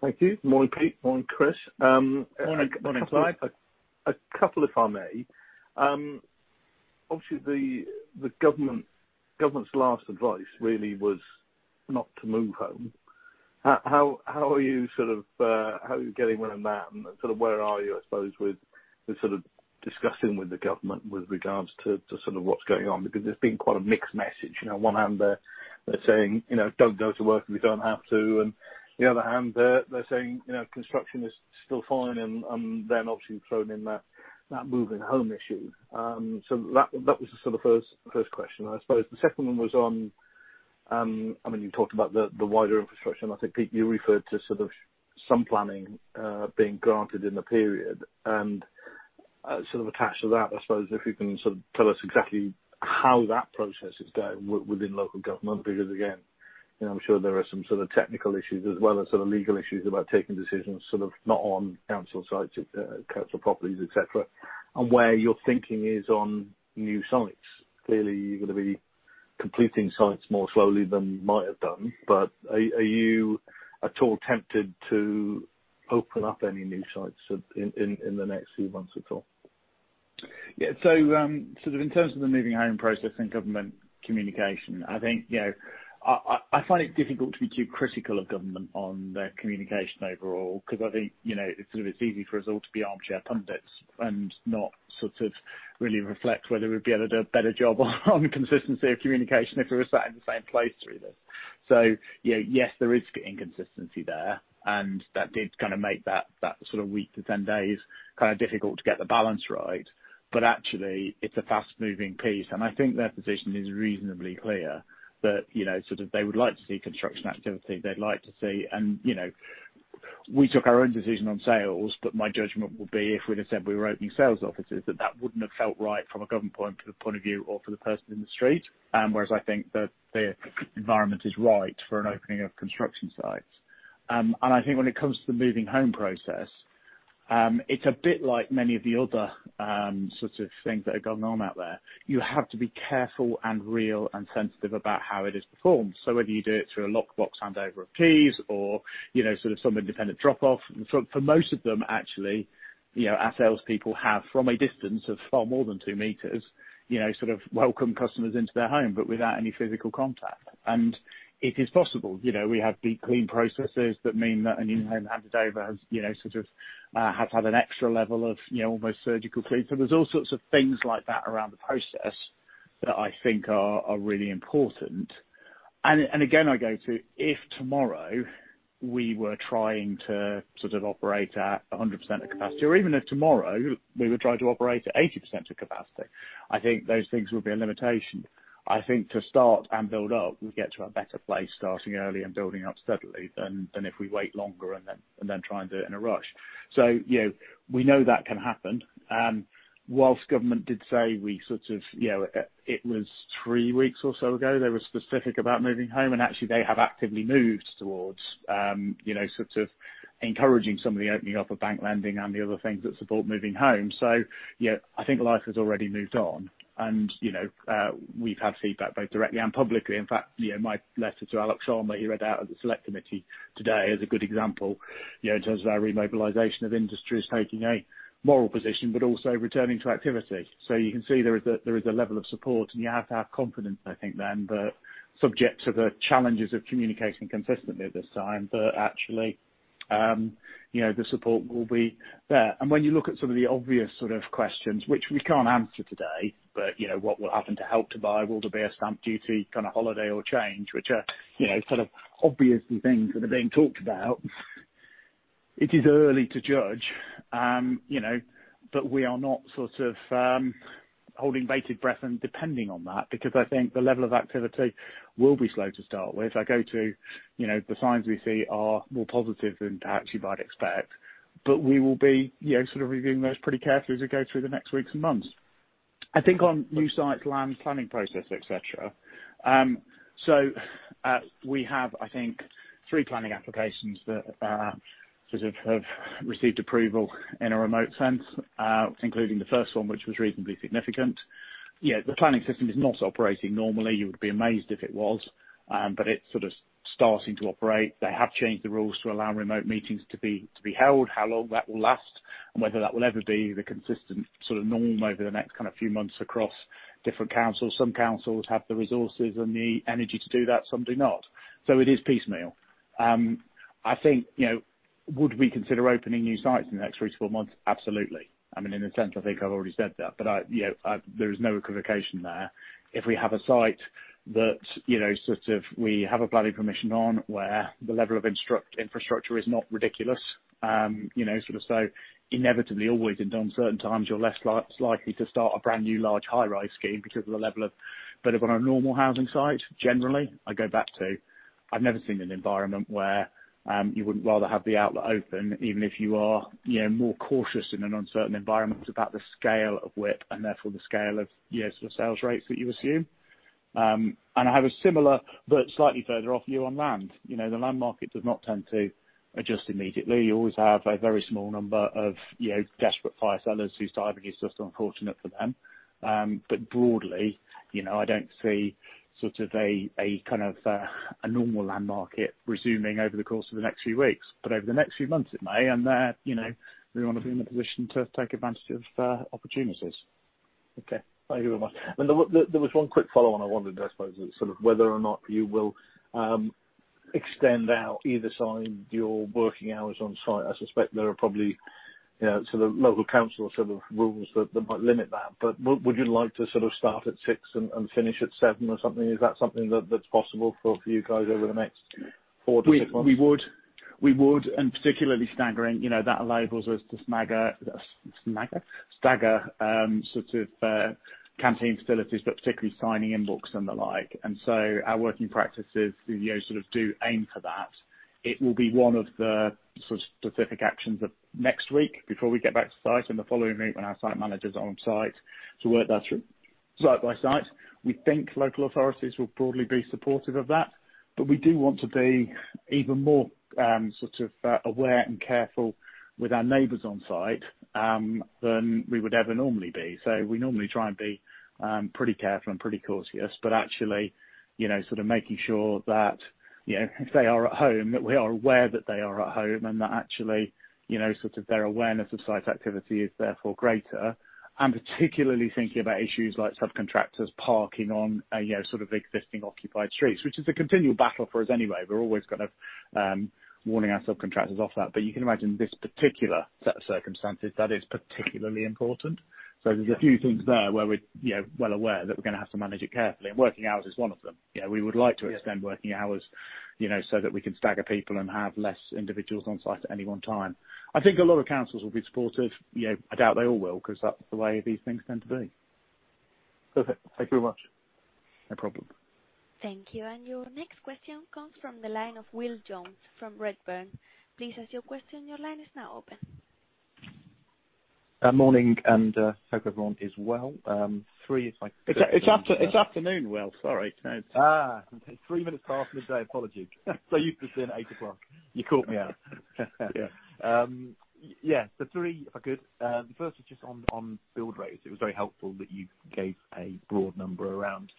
Thank you. Morning, Pete. Morning, Chris. Morning, Clyde. A couple, if I may. Obviously, the government's last advice really was not to move home. How are you getting on in that, and where are you, I suppose, with discussing with the government with regards to what's going on? There's been quite a mixed message. On one hand they're saying, "Don't go to work if you don't have to," and the other hand they're saying, "Construction is still fine," and then obviously throwing in that moving home issue. That was the sort of first question. I suppose the second one was on, you talked about the wider infrastructure, and I think, Pete, you referred to some planning being granted in the period and attached to that, I suppose, if you can tell us exactly how that process is going within local government. Again, I'm sure there are some sort of technical issues as well as legal issues about taking decisions, not on council sites, council properties, et cetera, and where your thinking is on new sites. Clearly, you're going to be completing sites more slowly than you might have done, but are you at all tempted to open up any new sites in the next few months at all? Yeah. In terms of the moving home process and government communication, I find it difficult to be too critical of government on their communication overall, because I think it's easy for us all to be armchair pundits and not really reflect whether we'd be able to do a better job on consistency of communication if we were sat in the same place through this. Yes, there is inconsistency there, and that did kind of make that sort of week to 10 days kind of difficult to get the balance right. Actually, it's a fast-moving piece, and I think their position is reasonably clear. They would like to see construction activity. We took our own decision on sales, my judgment would be if we'd have said we were opening sales offices, that wouldn't have felt right from a government point of view, or for the person in the street. I think that the environment is right for an opening of construction sites. I think when it comes to the moving home process, it's a bit like many of the other sorts of things that are going on out there. You have to be careful and real and sensitive about how it is performed, whether you do it through a lockbox handover of keys or some independent drop-off. For most of them, actually, our salespeople have, from a distance of far more than 2 meters, welcomed customers into their home, but without any physical contact. It is possible. We have deep clean processes that mean that any home handover has had an extra level of almost surgical clean. There's all sorts of things like that around the process that I think are really important. Again, I go to, if tomorrow we were trying to operate at 100% of capacity, or even if tomorrow we were trying to operate at 80% of capacity, I think those things would be a limitation. I think to start and build up, we get to a better place starting early and building up steadily than if we wait longer and then try and do it in a rush. We know that can happen. Whilst government did say It was three weeks or so ago, they were specific about moving home, actually they have actively moved towards encouraging some of the opening up of bank lending and the other things that support moving home. Yeah, I think life has already moved on and we've had feedback both directly and publicly. In fact, my letter to Alok Sharma, he read out at the select committee today is a good example, in terms of our remobilization of industry as taking a moral position, but also returning to activity. You can see there is a level of support, and you have to have confidence, I think then, that subject to the challenges of communicating consistently at this time, that actually the support will be there. When you look at some of the obvious questions, which we can't answer today, but what will happen to Help to Buy? Will there be a stamp duty holiday or change? Which are obviously things that are being talked about. It is early to judge, but we are not holding bated breath and depending on that, because I think the level of activity will be slow to start with. I go to the signs we see are more positive than perhaps you might expect, but we will be reviewing those pretty carefully as we go through the next weeks and months. I think on new sites, land planning process, et cetera. We have, I think, three planning applications that have received approval in a remote sense, including the first one, which was reasonably significant. The planning system is not operating normally. You would be amazed if it was. It's starting to operate. They have changed the rules to allow remote meetings to be held. How long that will last and whether that will ever be the consistent norm over the next few months across different councils. Some councils have the resources and the energy to do that, some do not. It is piecemeal. I think, would we consider opening new sites in the next three to four months? Absolutely. In a sense, I think I've already said that. There is no equivocation there. If we have a site that we have a planning permission on, where the level of infrastructure is not ridiculous. Inevitably, always in uncertain times, you're less likely to start a brand-new large high-rise scheme. If on a normal housing site, generally, I go back to, I've never seen an environment where you wouldn't rather have the outlet open, even if you are more cautious in an uncertain environment about the scale of WIP and therefore the scale of years of sales rates that you assume. I have a similar but slightly further off view on land. The land market does not tend to adjust immediately. You always have a very small number of desperate fire sellers whose timing is just unfortunate for them. Broadly, I don't see a normal land market resuming over the course of the next few weeks. Over the next few months, it may, and there, we want to be in a position to take advantage of opportunities. Okay. Thank you very much. There was one quick follow-on I wondered, I suppose, is whether or not you will extend out either side your working hours on site. I suspect there are probably local council rules that might limit that. Would you like to start at six and finish at seven or something? Is that something that's possible for you guys over the next four to six months? We would. Particularly staggering. That enables us to stagger canteen facilities, but particularly signing in books and the like. Our working practices do aim for that. It will be one of the specific actions of next week before we get back to site, and the following week when our site manager's on site to work that through site by site. We think local authorities will broadly be supportive of that, but we do want to be even more aware and careful with our neighbors on site than we would ever normally be. We normally try and be pretty careful and pretty courteous, but actually making sure that if they are at home, that we are aware that they are at home, and that actually their awareness of site activity is therefore greater. Particularly thinking about issues like subcontractors parking on existing occupied streets, which is a continual battle for us anyway. We're always kind of warning our subcontractors off that. You can imagine this particular set of circumstances, that is particularly important. There's a few things there where we're well aware that we're going to have to manage it carefully, and working hours is one of them. We would like to extend working hours so that we can stagger people and have less individuals on site at any one time. I think a lot of councils will be supportive. I doubt they all will, because that's the way these things tend to be. Perfect. Thank you very much. No problem. Thank you. Your next question comes from the line of Will Jones from Redburn. Please ask your question. Your line is now open. Morning. Hope everyone is well. Three if I could. It's afternoon, Will. Sorry. Okay. Three minutes past midday. Apology. Used to saying 8:00 A.M. You caught me out. Yeah. Yeah. Three, if I could. The first is just on build rates. It was very helpful that you gave a broad number around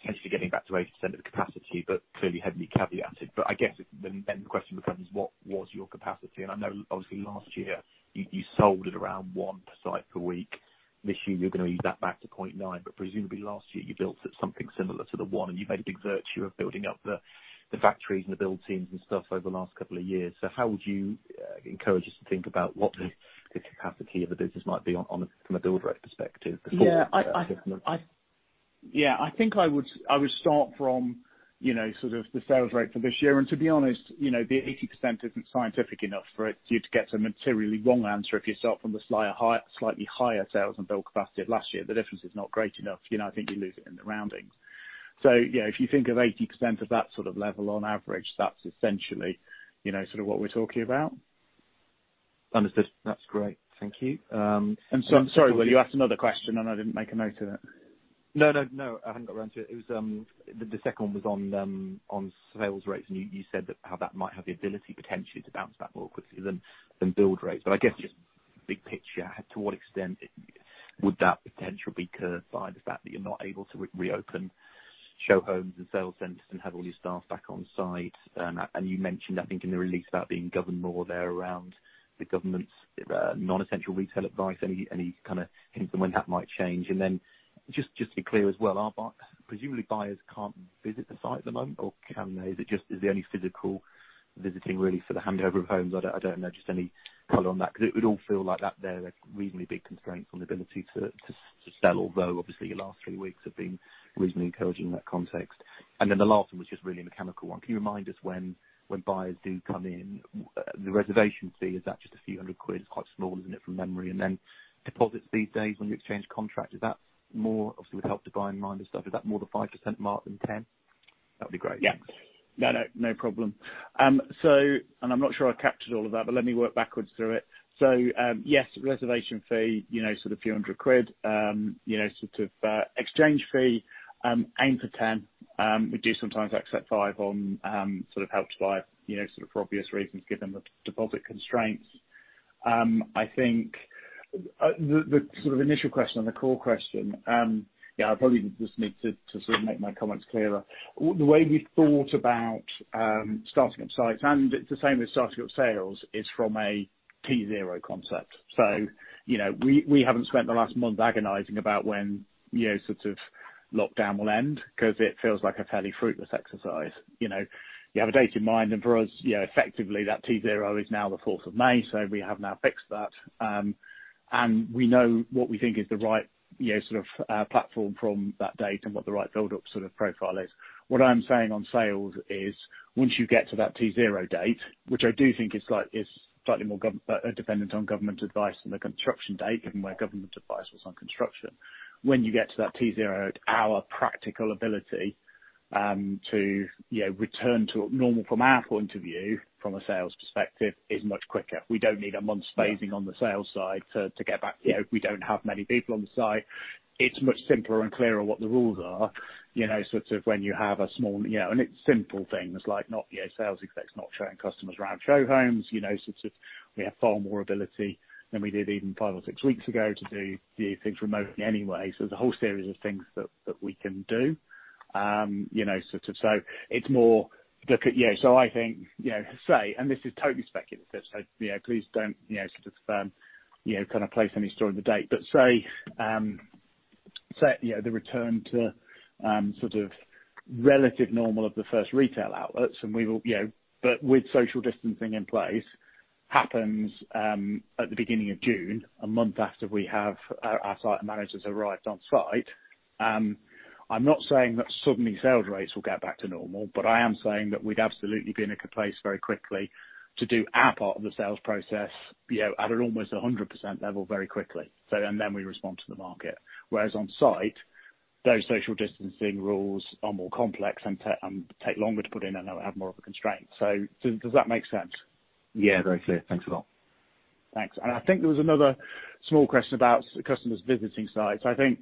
potentially getting back to 80% of the capacity, but clearly heavily caveated. I guess then the question becomes what was your capacity? I know obviously last year you sold at around one site per week. This year you're going to be that back to 0.9. Presumably last year you built something similar to the one, and you made a big virtue of building up the factories and the build teams and stuff over the last couple of years. How would you encourage us to think about what the capacity of the business might be from a build rate perspective? Yeah I think I would start from the sales rate for this year. To be honest, the 80% isn't scientific enough for you to get to a materially wrong answer if you start from the slightly higher sales and build capacity of last year. The difference is not great enough. I think you lose it in the roundings. If you think of 80% of that level on average, that's essentially what we're talking about. Understood. That's great. Thank you. I'm sorry, Will, you asked another question, and I didn't make a note of it. No, I haven't got around to it. The second one was on sales rates. You said that how that might have the ability potentially to bounce back more quickly than build rates. I guess just big picture, to what extent would that potential be curbed by the fact that you're not able to reopen show homes and sales centers and have all your staff back on site? You mentioned, I think, in the release about being governed more there around the government's non-essential retail advice. Any kind of hints on when that might change? Just to be clear as well, presumably buyers can't visit the site at the moment or can they? Is there any physical visiting really for the handover of homes? I don't know, just any color on that, because it would all feel like that there are reasonably big constraints on the ability to sell. Although obviously your last three weeks have been reasonably encouraging in that context. The last one was just really a mechanical one. Can you remind us when buyers do come in, the reservation fee, is that just a few hundred quids? It's quite small, isn't it, from memory. Then deposits these days when you exchange contract, obviously with Help to Buy in mind and stuff, is that more the 5% mark than 10%? That would be great. Yeah. No, no problem. I'm not sure I captured all of that, but let me work backwards through it. Yes, reservation fee, sort of a few hundred quid. Exchange fee, aim for 10%. We do sometimes accept 5% on Help to Buy, for obvious reasons, given the deposit constraints. I think the initial question and the core question, yeah, I probably just need to make my comments clearer. The way we thought about starting up sites, and it's the same with starting up sales, is from a T-zero concept. We haven't spent the last month agonizing about when lockdown will end because it feels like a fairly fruitless exercise. You have a date in mind, and for us, effectively, that T-zero is now the 4th of May, so we have now fixed that. We know what we think is the right platform from that date and what the right build-up profile is. What I'm saying on sales is once you get to that T-zero date, which I do think is slightly more dependent on government advice than the construction date, given where government advice was on construction. When you get to that T-zero, our practical ability to return to normal from our point of view, from a sales perspective, is much quicker. We don't need a month's phasing on the sales side to get back. We don't have many people on the site. It's much simpler and clearer what the rules are, when you have a small and it's simple things like not sales execs, not showing customers around show homes. We have far more ability than we did even five or six weeks ago to do things remotely anyway. There's a whole series of things that we can do. I think, say, and this is totally speculative, so please don't place any store in the date. Say the return to relative normal of the first retail outlets but with social distancing in place happens at the beginning of June, a month after our site managers arrived on site. I'm not saying that suddenly sales rates will get back to normal, but I am saying that we'd absolutely be in a place very quickly to do our part of the sales process at an almost 100% level very quickly. We respond to the market. On site, those social distancing rules are more complex and take longer to put in, and they'll have more of a constraint. Does that make sense? Yeah, very clear. Thanks a lot. Thanks. I think there was another small question about customers visiting sites. I think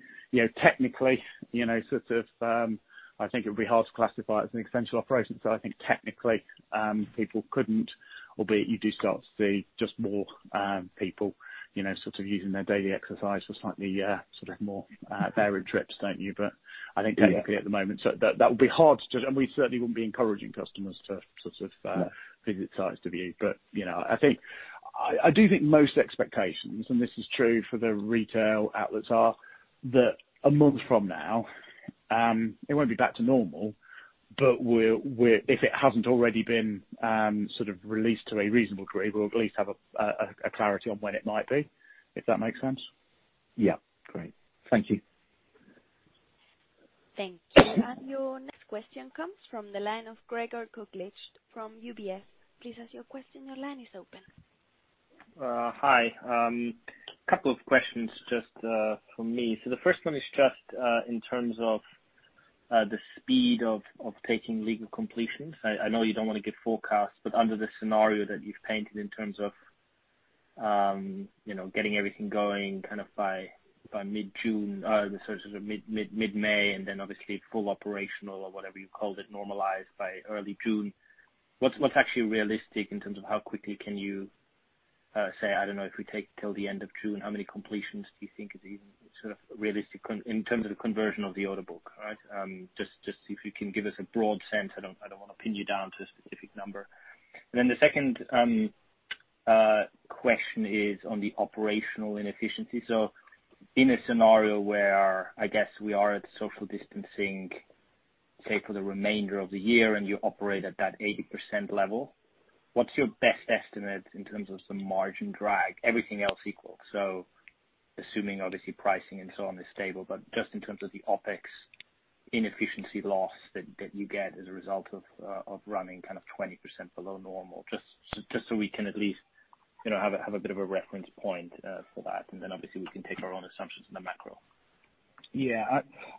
technically, I think it would be hard to classify it as an essential operation. I think technically people couldn't, albeit you do start to see just more people using their daily exercise for slightly more varied trips, don't you? I think technically at the moment, that would be hard to do and we certainly wouldn't be encouraging customers to visit sites. I do think most expectations, and this is true for the retail outlets are that a month from now, it won't be back to normal, but if it hasn't already been released to a reasonable degree, we'll at least have a clarity on when it might be, if that makes sense? Yeah. Great. Thank you. Thank you. Your next question comes from the line of Gregor Kuglitsch from UBS. Please ask your question. Your line is open. Hi. Couple of questions just from me. The first one is just in terms of the speed of taking legal completions. I know you don't want to give forecasts, but under the scenario that you've painted in terms of getting everything going by mid-June, or mid-May, and then obviously full operational or whatever you called it, normalized by early June. What's actually realistic in terms of how quickly can you say, I don't know, if we take till the end of June, how many completions do you think is even realistic in terms of conversion of the order book? Just if you can give us a broad sense. I don't want to pin you down to a specific number. The second question is on the operational inefficiency. In a scenario where I guess we are at social distancing, say, for the remainder of the year, and you operate at that 80% level, what's your best estimate in terms of some margin drag, everything else equal? Assuming obviously pricing and so on is stable, but just in terms of the OpEx inefficiency loss that you get as a result of running 20% below normal, just so we can at least have a bit of a reference point for that. Then obviously we can take our own assumptions in the macro? Yeah.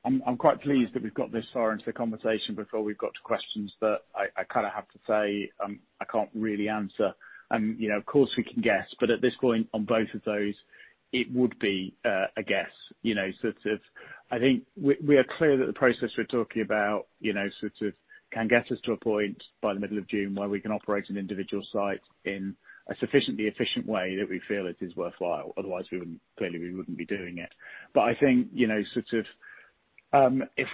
I'm quite pleased that we've got this far into the conversation before we've got to questions that I have to say, I can't really answer. Of course, we can guess, but at this point on both of those, it would be a guess. I think we are clear that the process we're talking about can get us to a point by the middle of June where we can operate an individual site in a sufficiently efficient way that we feel it is worthwhile. Otherwise, clearly we wouldn't be doing it. I think if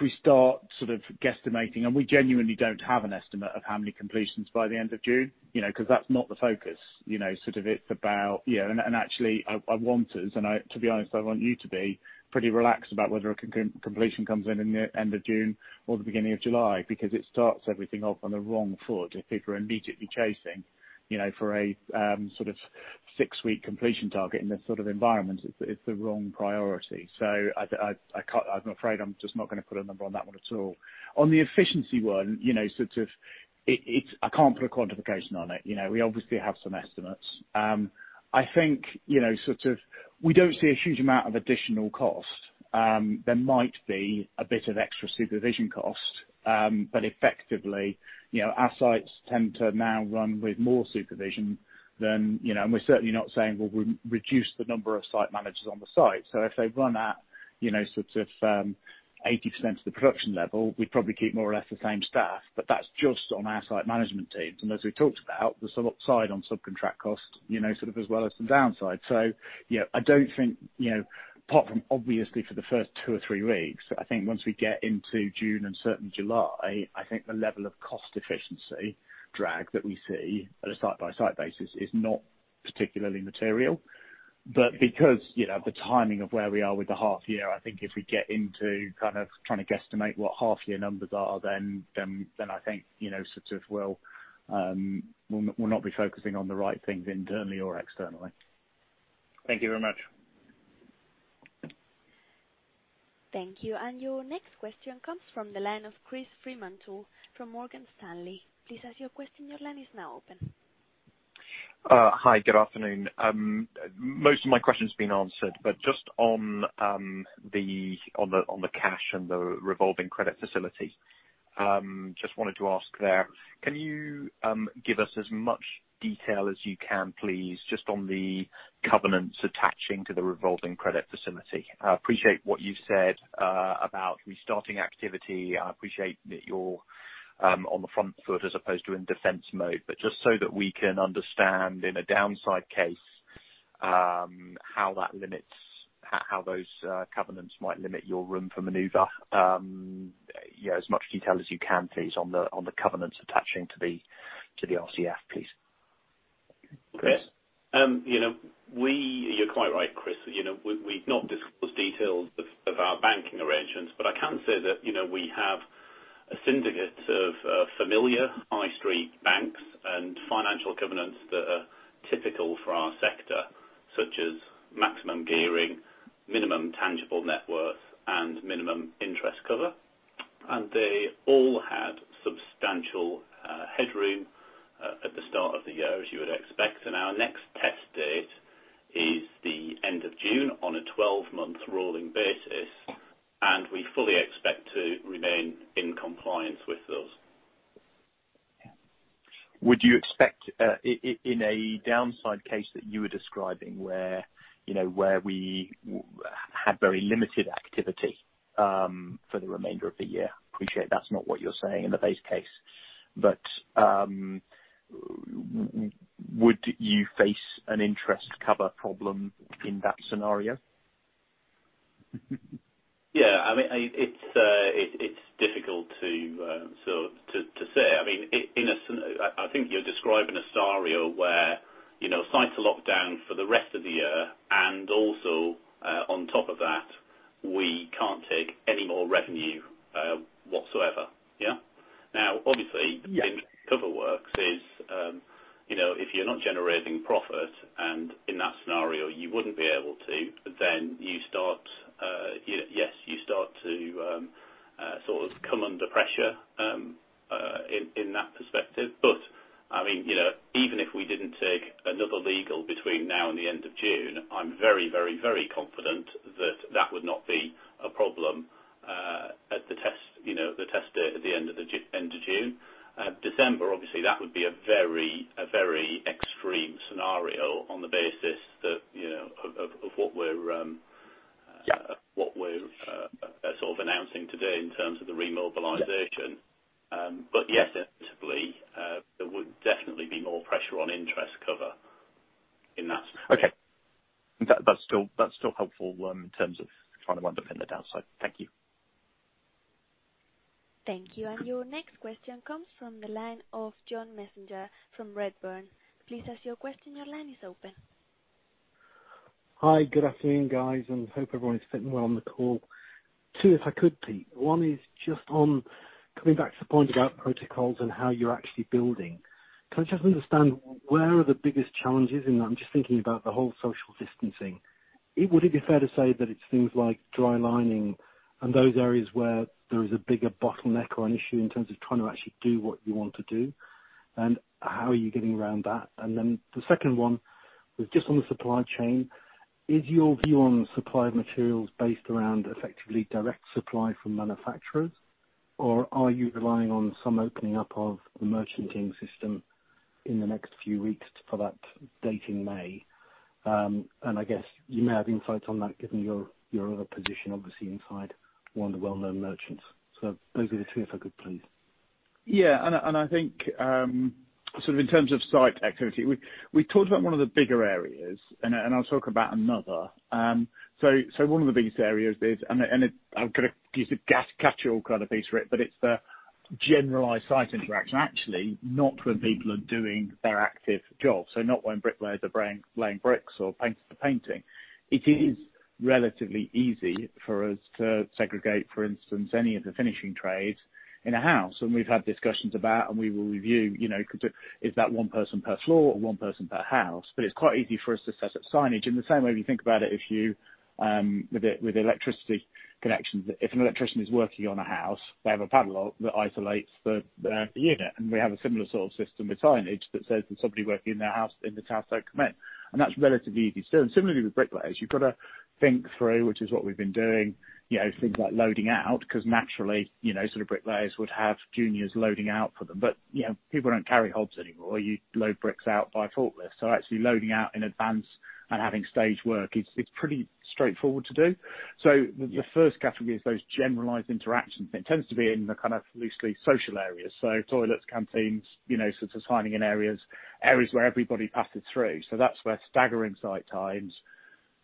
we start guesstimating, and we genuinely don't have an estimate of how many completions by the end of June, because that's not the focus. Actually I want us, and to be honest, I want you to be pretty relaxed about whether a completion comes in in the end of June or the beginning of July, because it starts everything off on the wrong foot if people are immediately chasing for a six-week completion target in this sort of environment. It's the wrong priority. I'm afraid I'm just not going to put a number on that one at all. On the efficiency one, I can't put a quantification on it. We obviously have some estimates. I think we don't see a huge amount of additional cost. There might be a bit of extra supervision cost, but effectively our sites tend to now run with more supervision than. We're certainly not saying, well, we reduce the number of site managers on the site. If they run at 80% of the production level, we'd probably keep more or less the same staff. That's just on our site management teams. As we talked about, there's some upside on subcontract costs as well as some downsides. I don't think apart from obviously for the first two or three weeks, I think once we get into June and certainly July, I think the level of cost efficiency drag that we see on a site-by-site basis is not particularly material. Because the timing of where we are with the half year, I think if we get into trying to guesstimate what half year numbers are, then I think we'll not be focusing on the right things internally or externally. Thank you very much. Thank you. Your next question comes from the line of Chris Fremantle from Morgan Stanley. Please ask your question. Your line is now open. Hi, good afternoon. Most of my question's been answered, but just on the cash and the revolving credit facility, just wanted to ask there, can you give us as much detail as you can, please, just on the covenants attaching to the revolving credit facility? I appreciate what you said about restarting activity. I appreciate that you're on the front foot as opposed to in defense mode, but just so that we can understand in a downside case how those covenants might limit your room for maneuver. As much detail as you can, please, on the covenants attaching to the RCF, please? Chris. You are quite right, Chris. We've not disclosed details of our banking arrangements, I can say that we have a syndicate of familiar high street banks and financial covenants that are typical for our sector, such as maximum gearing, minimum tangible net worth and minimum interest cover. They all had substantial headroom, at the start of the year, as you would expect. Our next test date is the end of June on a 12-month rolling basis, we fully expect to remain in compliance with those. Would you expect, in a downside case that you were describing where we had very limited activity for the remainder of the year? Appreciate that's not what you're saying in the base case, but would you face an interest cover problem in that scenario? Yeah, it's difficult to say. I think you're describing a scenario where sites are locked down for the rest of the year, and also, on top of that, we can't take any more revenue whatsoever. Yeah? Yeah interest cover works is if you're not generating profit, and in that scenario you wouldn't be able to, you start to sort of come under pressure in that perspective. Even if we didn't take another legal between now and the end of June, I'm very confident that that would not be a problem at the test at the end of June. December, obviously, that would be a very extreme scenario on the basis of what we're- Yeah sort of announcing today in terms of the remobilization. Yeah. Yes, simply, there would definitely be more pressure on interest cover in that scenario. Okay. That's still helpful in terms of trying to understand the downside. Thank you. Thank you. Your next question comes from the line of John Messenger from Redburn. Please ask your question. Your line is open. Hi. Good afternoon, guys, and hope everyone is fitting well on the call. Two if I could, Pete. One is just on coming back to the point about protocols and how you're actually building. Can I just understand where are the biggest challenges? I'm just thinking about the whole social distancing. Would it be fair to say that it's things like dry lining and those areas where there is a bigger bottleneck or an issue in terms of trying to actually do what you want to do? How are you getting around that? The second one was just on the supply chain. Is your view on supplied materials based around effectively direct supply from manufacturers, or are you relying on some opening up of the merchanting system in the next few weeks for that date in May? I guess you may have insights on that given your other position, obviously inside one of the well-known merchants. Those are the two, if I could please? Yeah. I think, sort of in terms of site activity, we talked about one of the bigger areas, and I'll talk about another. One of the biggest areas is, and I've got to use a catchall kind of piece for it, but it's the generalized site interaction. Actually, not when people are doing their active job, so not when bricklayers are laying bricks or painters are painting. It is relatively easy for us to segregate, for instance, any of the finishing trades in a house, and we've had discussions about and we will review, is that one person per floor or one person per house? It's quite easy for us to set up signage in the same way, if you think about it, with electricity connections. If an electrician is working on a house, they have a padlock that isolates the unit. We have a similar sort of system with signage that says that somebody working in that house, don't come in. That's relatively easy to do. Similarly with bricklayers, you've got to think through, which is what we've been doing, things like loading out, because naturally, bricklayers would have juniors loading out for them. People don't carry hobs anymore. You load bricks out by forklift. Actually loading out in advance and having stage work, it's pretty straightforward to do. The first category is those generalized interactions, and it tends to be in the kind of loosely social areas. Toilets, canteens, sort of signing in areas where everybody passes through. That's where staggering site times,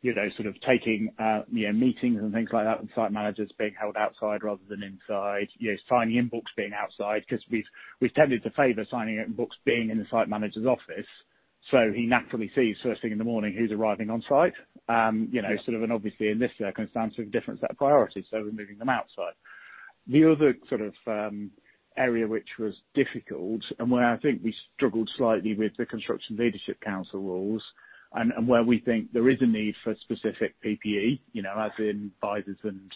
sort of taking meetings and things like that, and site managers being held outside rather than inside. Signing in books being outside, because we've tended to favor signing in books being in the site manager's office. He naturally sees first thing in the morning who's arriving on site. Yeah. Sort of, and obviously in this circumstance, sort of different set of priorities, so we're moving them outside. The other area which was difficult, where I think we struggled slightly with the Construction Leadership Council rules, where we think there is a need for specific PPE, as in visors and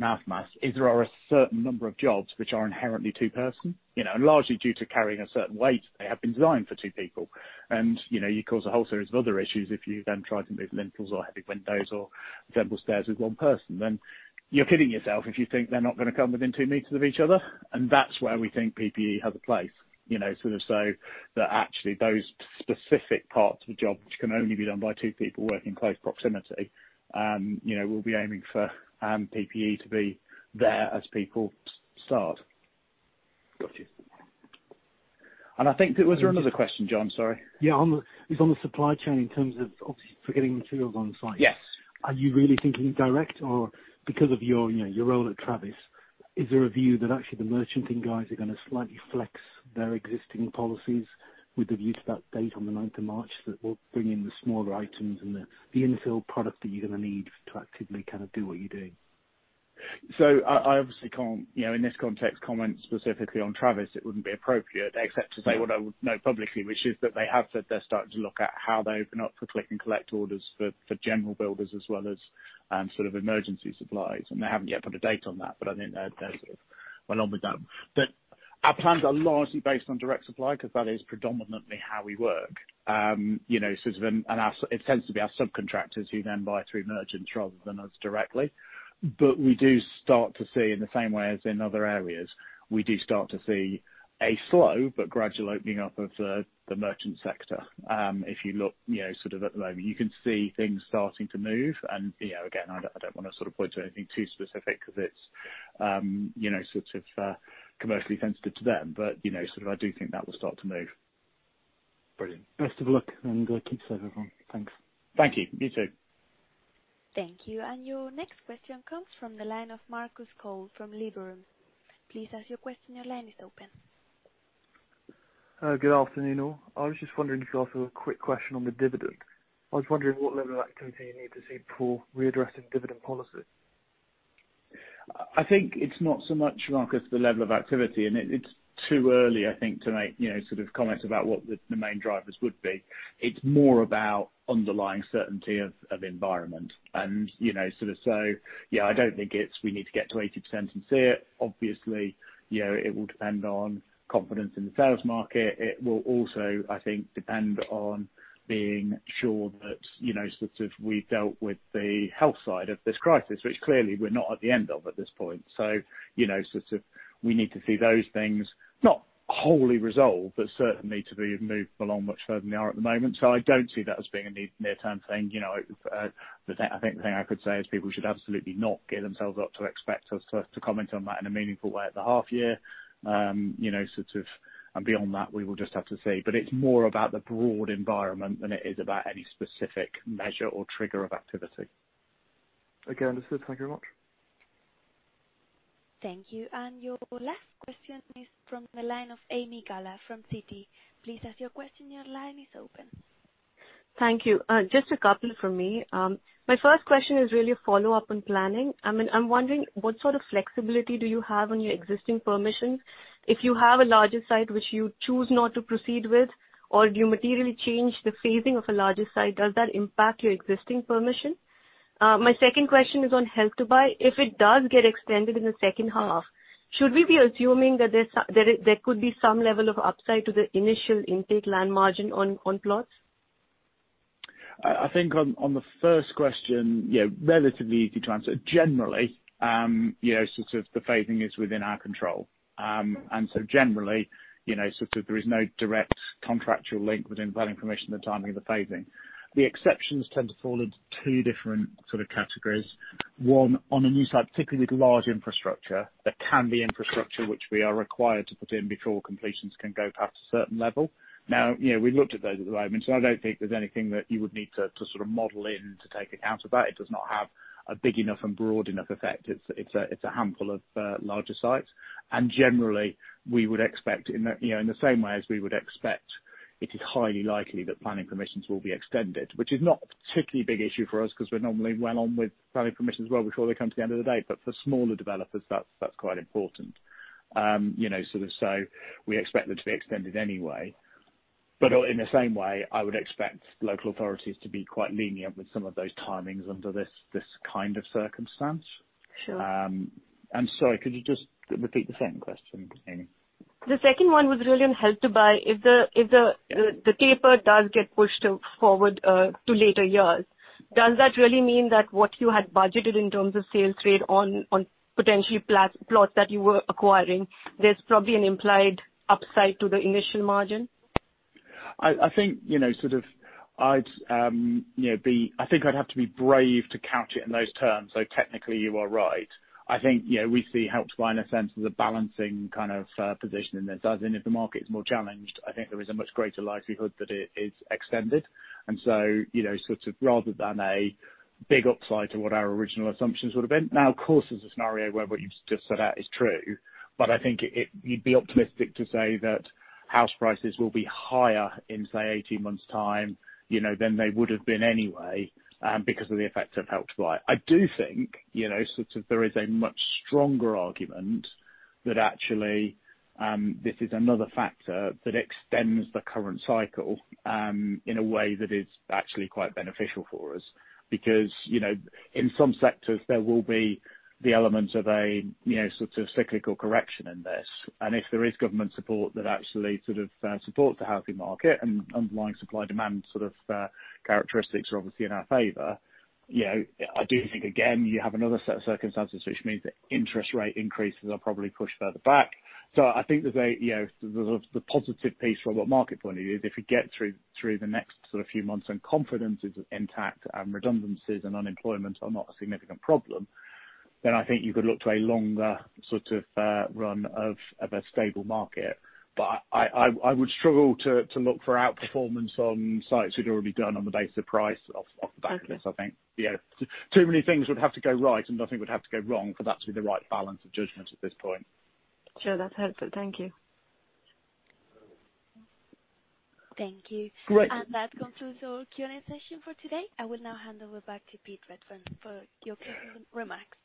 mouth masks, is there are a certain number of jobs which are inherently two-person. Largely due to carrying a certain weight, they have been designed for two people. You cause a whole series of other issues if you then try to move lintels or heavy windows or a set of stairs with one person. You're kidding yourself if you think they're not going to come within 2 meters of each other, and that's where we think PPE has a place. That actually those specific parts of the job which can only be done by two people working in close proximity, we'll be aiming for PPE to be there as people start. Got you. I think there was another question, John. Sorry. Yeah. It's on the supply chain in terms of obviously for getting materials on site. Yes. Are you really thinking direct? Because of your role at Travis, is there a view that actually the merchanting guys are going to slightly flex their existing policies with the view to that date on the 9th of March, that will bring in the smaller items and the infill product that you're going to need to actively do what you do? I obviously can't, in this context, comment specifically on Travis. It wouldn't be appropriate except to say what I would know publicly, which is that they have said they're starting to look at how they open up for click and collect orders for general builders as well as emergency supplies. They haven't yet put a date on that, but I think they're well on with them. Our plans are largely based on direct supply because that is predominantly how we work. It tends to be our subcontractors who then buy through merchants rather than us directly. We do start to see, in the same way as in other areas, we do start to see a slow but gradual opening up of the merchant sector. If you look at the moment, you can see things starting to move, and again, I don't want to point to anything too specific because it's commercially sensitive to them. I do think that will start to move. Brilliant. Best of luck, keep safe, everyone. Thanks. Thank you. You too. Thank you. Your next question comes from the line of Marcus Cole from Liberum. Please ask your question. Your line is open. Hello. Good afternoon all. I was just wondering if you could answer a quick question on the dividend. I was wondering what level of activity you need to see before readdressing dividend policy? I think it's not so much, Marcus, the level of activity, and it's too early, I think, to make comments about what the main drivers would be. It's more about underlying certainty of environment, and so, yeah, I don't think it's we need to get to 80% and see it. Obviously, it will depend on confidence in the sales market. It will also, I think, depend on being sure that we've dealt with the health side of this crisis, which clearly we're not at the end of at this point. We need to see those things not wholly resolved, but certainly to be moved along much further than they are at the moment. I don't see that as being a near-term thing. I think the thing I could say is people should absolutely not get themselves up to expect us to comment on that in a meaningful way at the half year, and beyond that, we will just have to see. It's more about the broad environment than it is about any specific measure or trigger of activity. Okay. Understood. Thank you very much. Thank you. Your last question is from the line of Ami Galla from Citi. Please ask your question. Your line is open. Thank you. Just a couple from me. My first question is really a follow-up on planning. I'm wondering, what sort of flexibility do you have on your existing permissions? If you have a larger site which you choose not to proceed with, or you materially change the phasing of a larger site, does that impact your existing permission? My second question is on Help to Buy. If it does get extended in the second half, should we be assuming that there could be some level of upside to the initial intake land margin on plots? I think on the first question, relatively easy to answer. Generally, the phasing is within our control. Generally, there is no direct contractual link within planning permission, the timing of the phasing. The exceptions tend to fall into two different categories. One, on a new site, particularly with large infrastructure, there can be infrastructure which we are required to put in before completions can go past a certain level. Now, we looked at those at the moment, so I don't think there's anything that you would need to model in to take account of that. It does not have a big enough and broad enough effect. It's a handful of larger sites. Generally, we would expect in the same way as we would expect, it is highly likely that planning permissions will be extended, which is not a particularly big issue for us because we're normally well on with planning permissions well before they come to the end of the day. For smaller developers, that's quite important. We expect them to be extended anyway. In the same way, I would expect local authorities to be quite lenient with some of those timings under this kind of circumstance. Sure. I'm sorry, could you just repeat the second question, Ami? The second one was really on Help to Buy. If the taper does get pushed forward to later years, does that really mean that what you had budgeted in terms of sales trade on potentially plots that you were acquiring, there's probably an implied upside to the initial margin? I think I'd have to be brave to couch it in those terms, though technically you are right. I think we see Help to Buy in a sense as a balancing position in this. If the market is more challenged, I think there is a much greater likelihood that it is extended. Rather than a big upside to what our original assumptions would have been. Now, of course, there's a scenario where what you've just said out is true, but I think you'd be optimistic to say that house prices will be higher in, say, 18 months' time, than they would have been anyway because of the effect of Help to Buy. I do think there is a much stronger argument that actually this is another factor that extends the current cycle in a way that is actually quite beneficial for us. Because in some sectors, there will be the element of a cyclical correction in this. If there is government support that actually supports the housing market and underlying supply-demand characteristics are obviously in our favor, I do think, again, you have another set of circumstances which means that interest rate increases are probably pushed further back. I think the positive piece from a market point of view is if we get through the next few months and confidence is intact and redundancies and unemployment are not a significant problem, then I think you could look to a longer run of a stable market. I would struggle to look for outperformance on sites we'd already done on the basis of price off the back of this, I think. Okay. Too many things would have to go right and nothing would have to go wrong for that to be the right balance of judgment at this point. Sure. That's helpful. Thank you. Thank you. Great. That concludes our Q&A session for today. I will now hand over back to Pete Redfern for your closing remarks.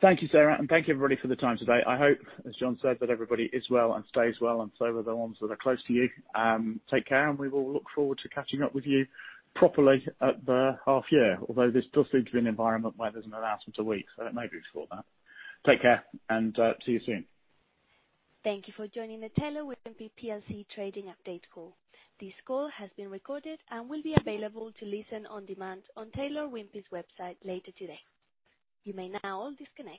Thank you, Sarah, and thank you, everybody, for the time today. I hope, as John said, that everybody is well and stays well, and so are the ones that are close to you. Take care, and we will look forward to catching up with you properly at the half year. This does seem to be an environment where there's an announcement a week, so it may be before that. Take care, and see you soon. Thank you for joining the Taylor Wimpey Plc trading update call. This call has been recorded and will be available to listen on demand on Taylor Wimpey's website later today. You may now all disconnect.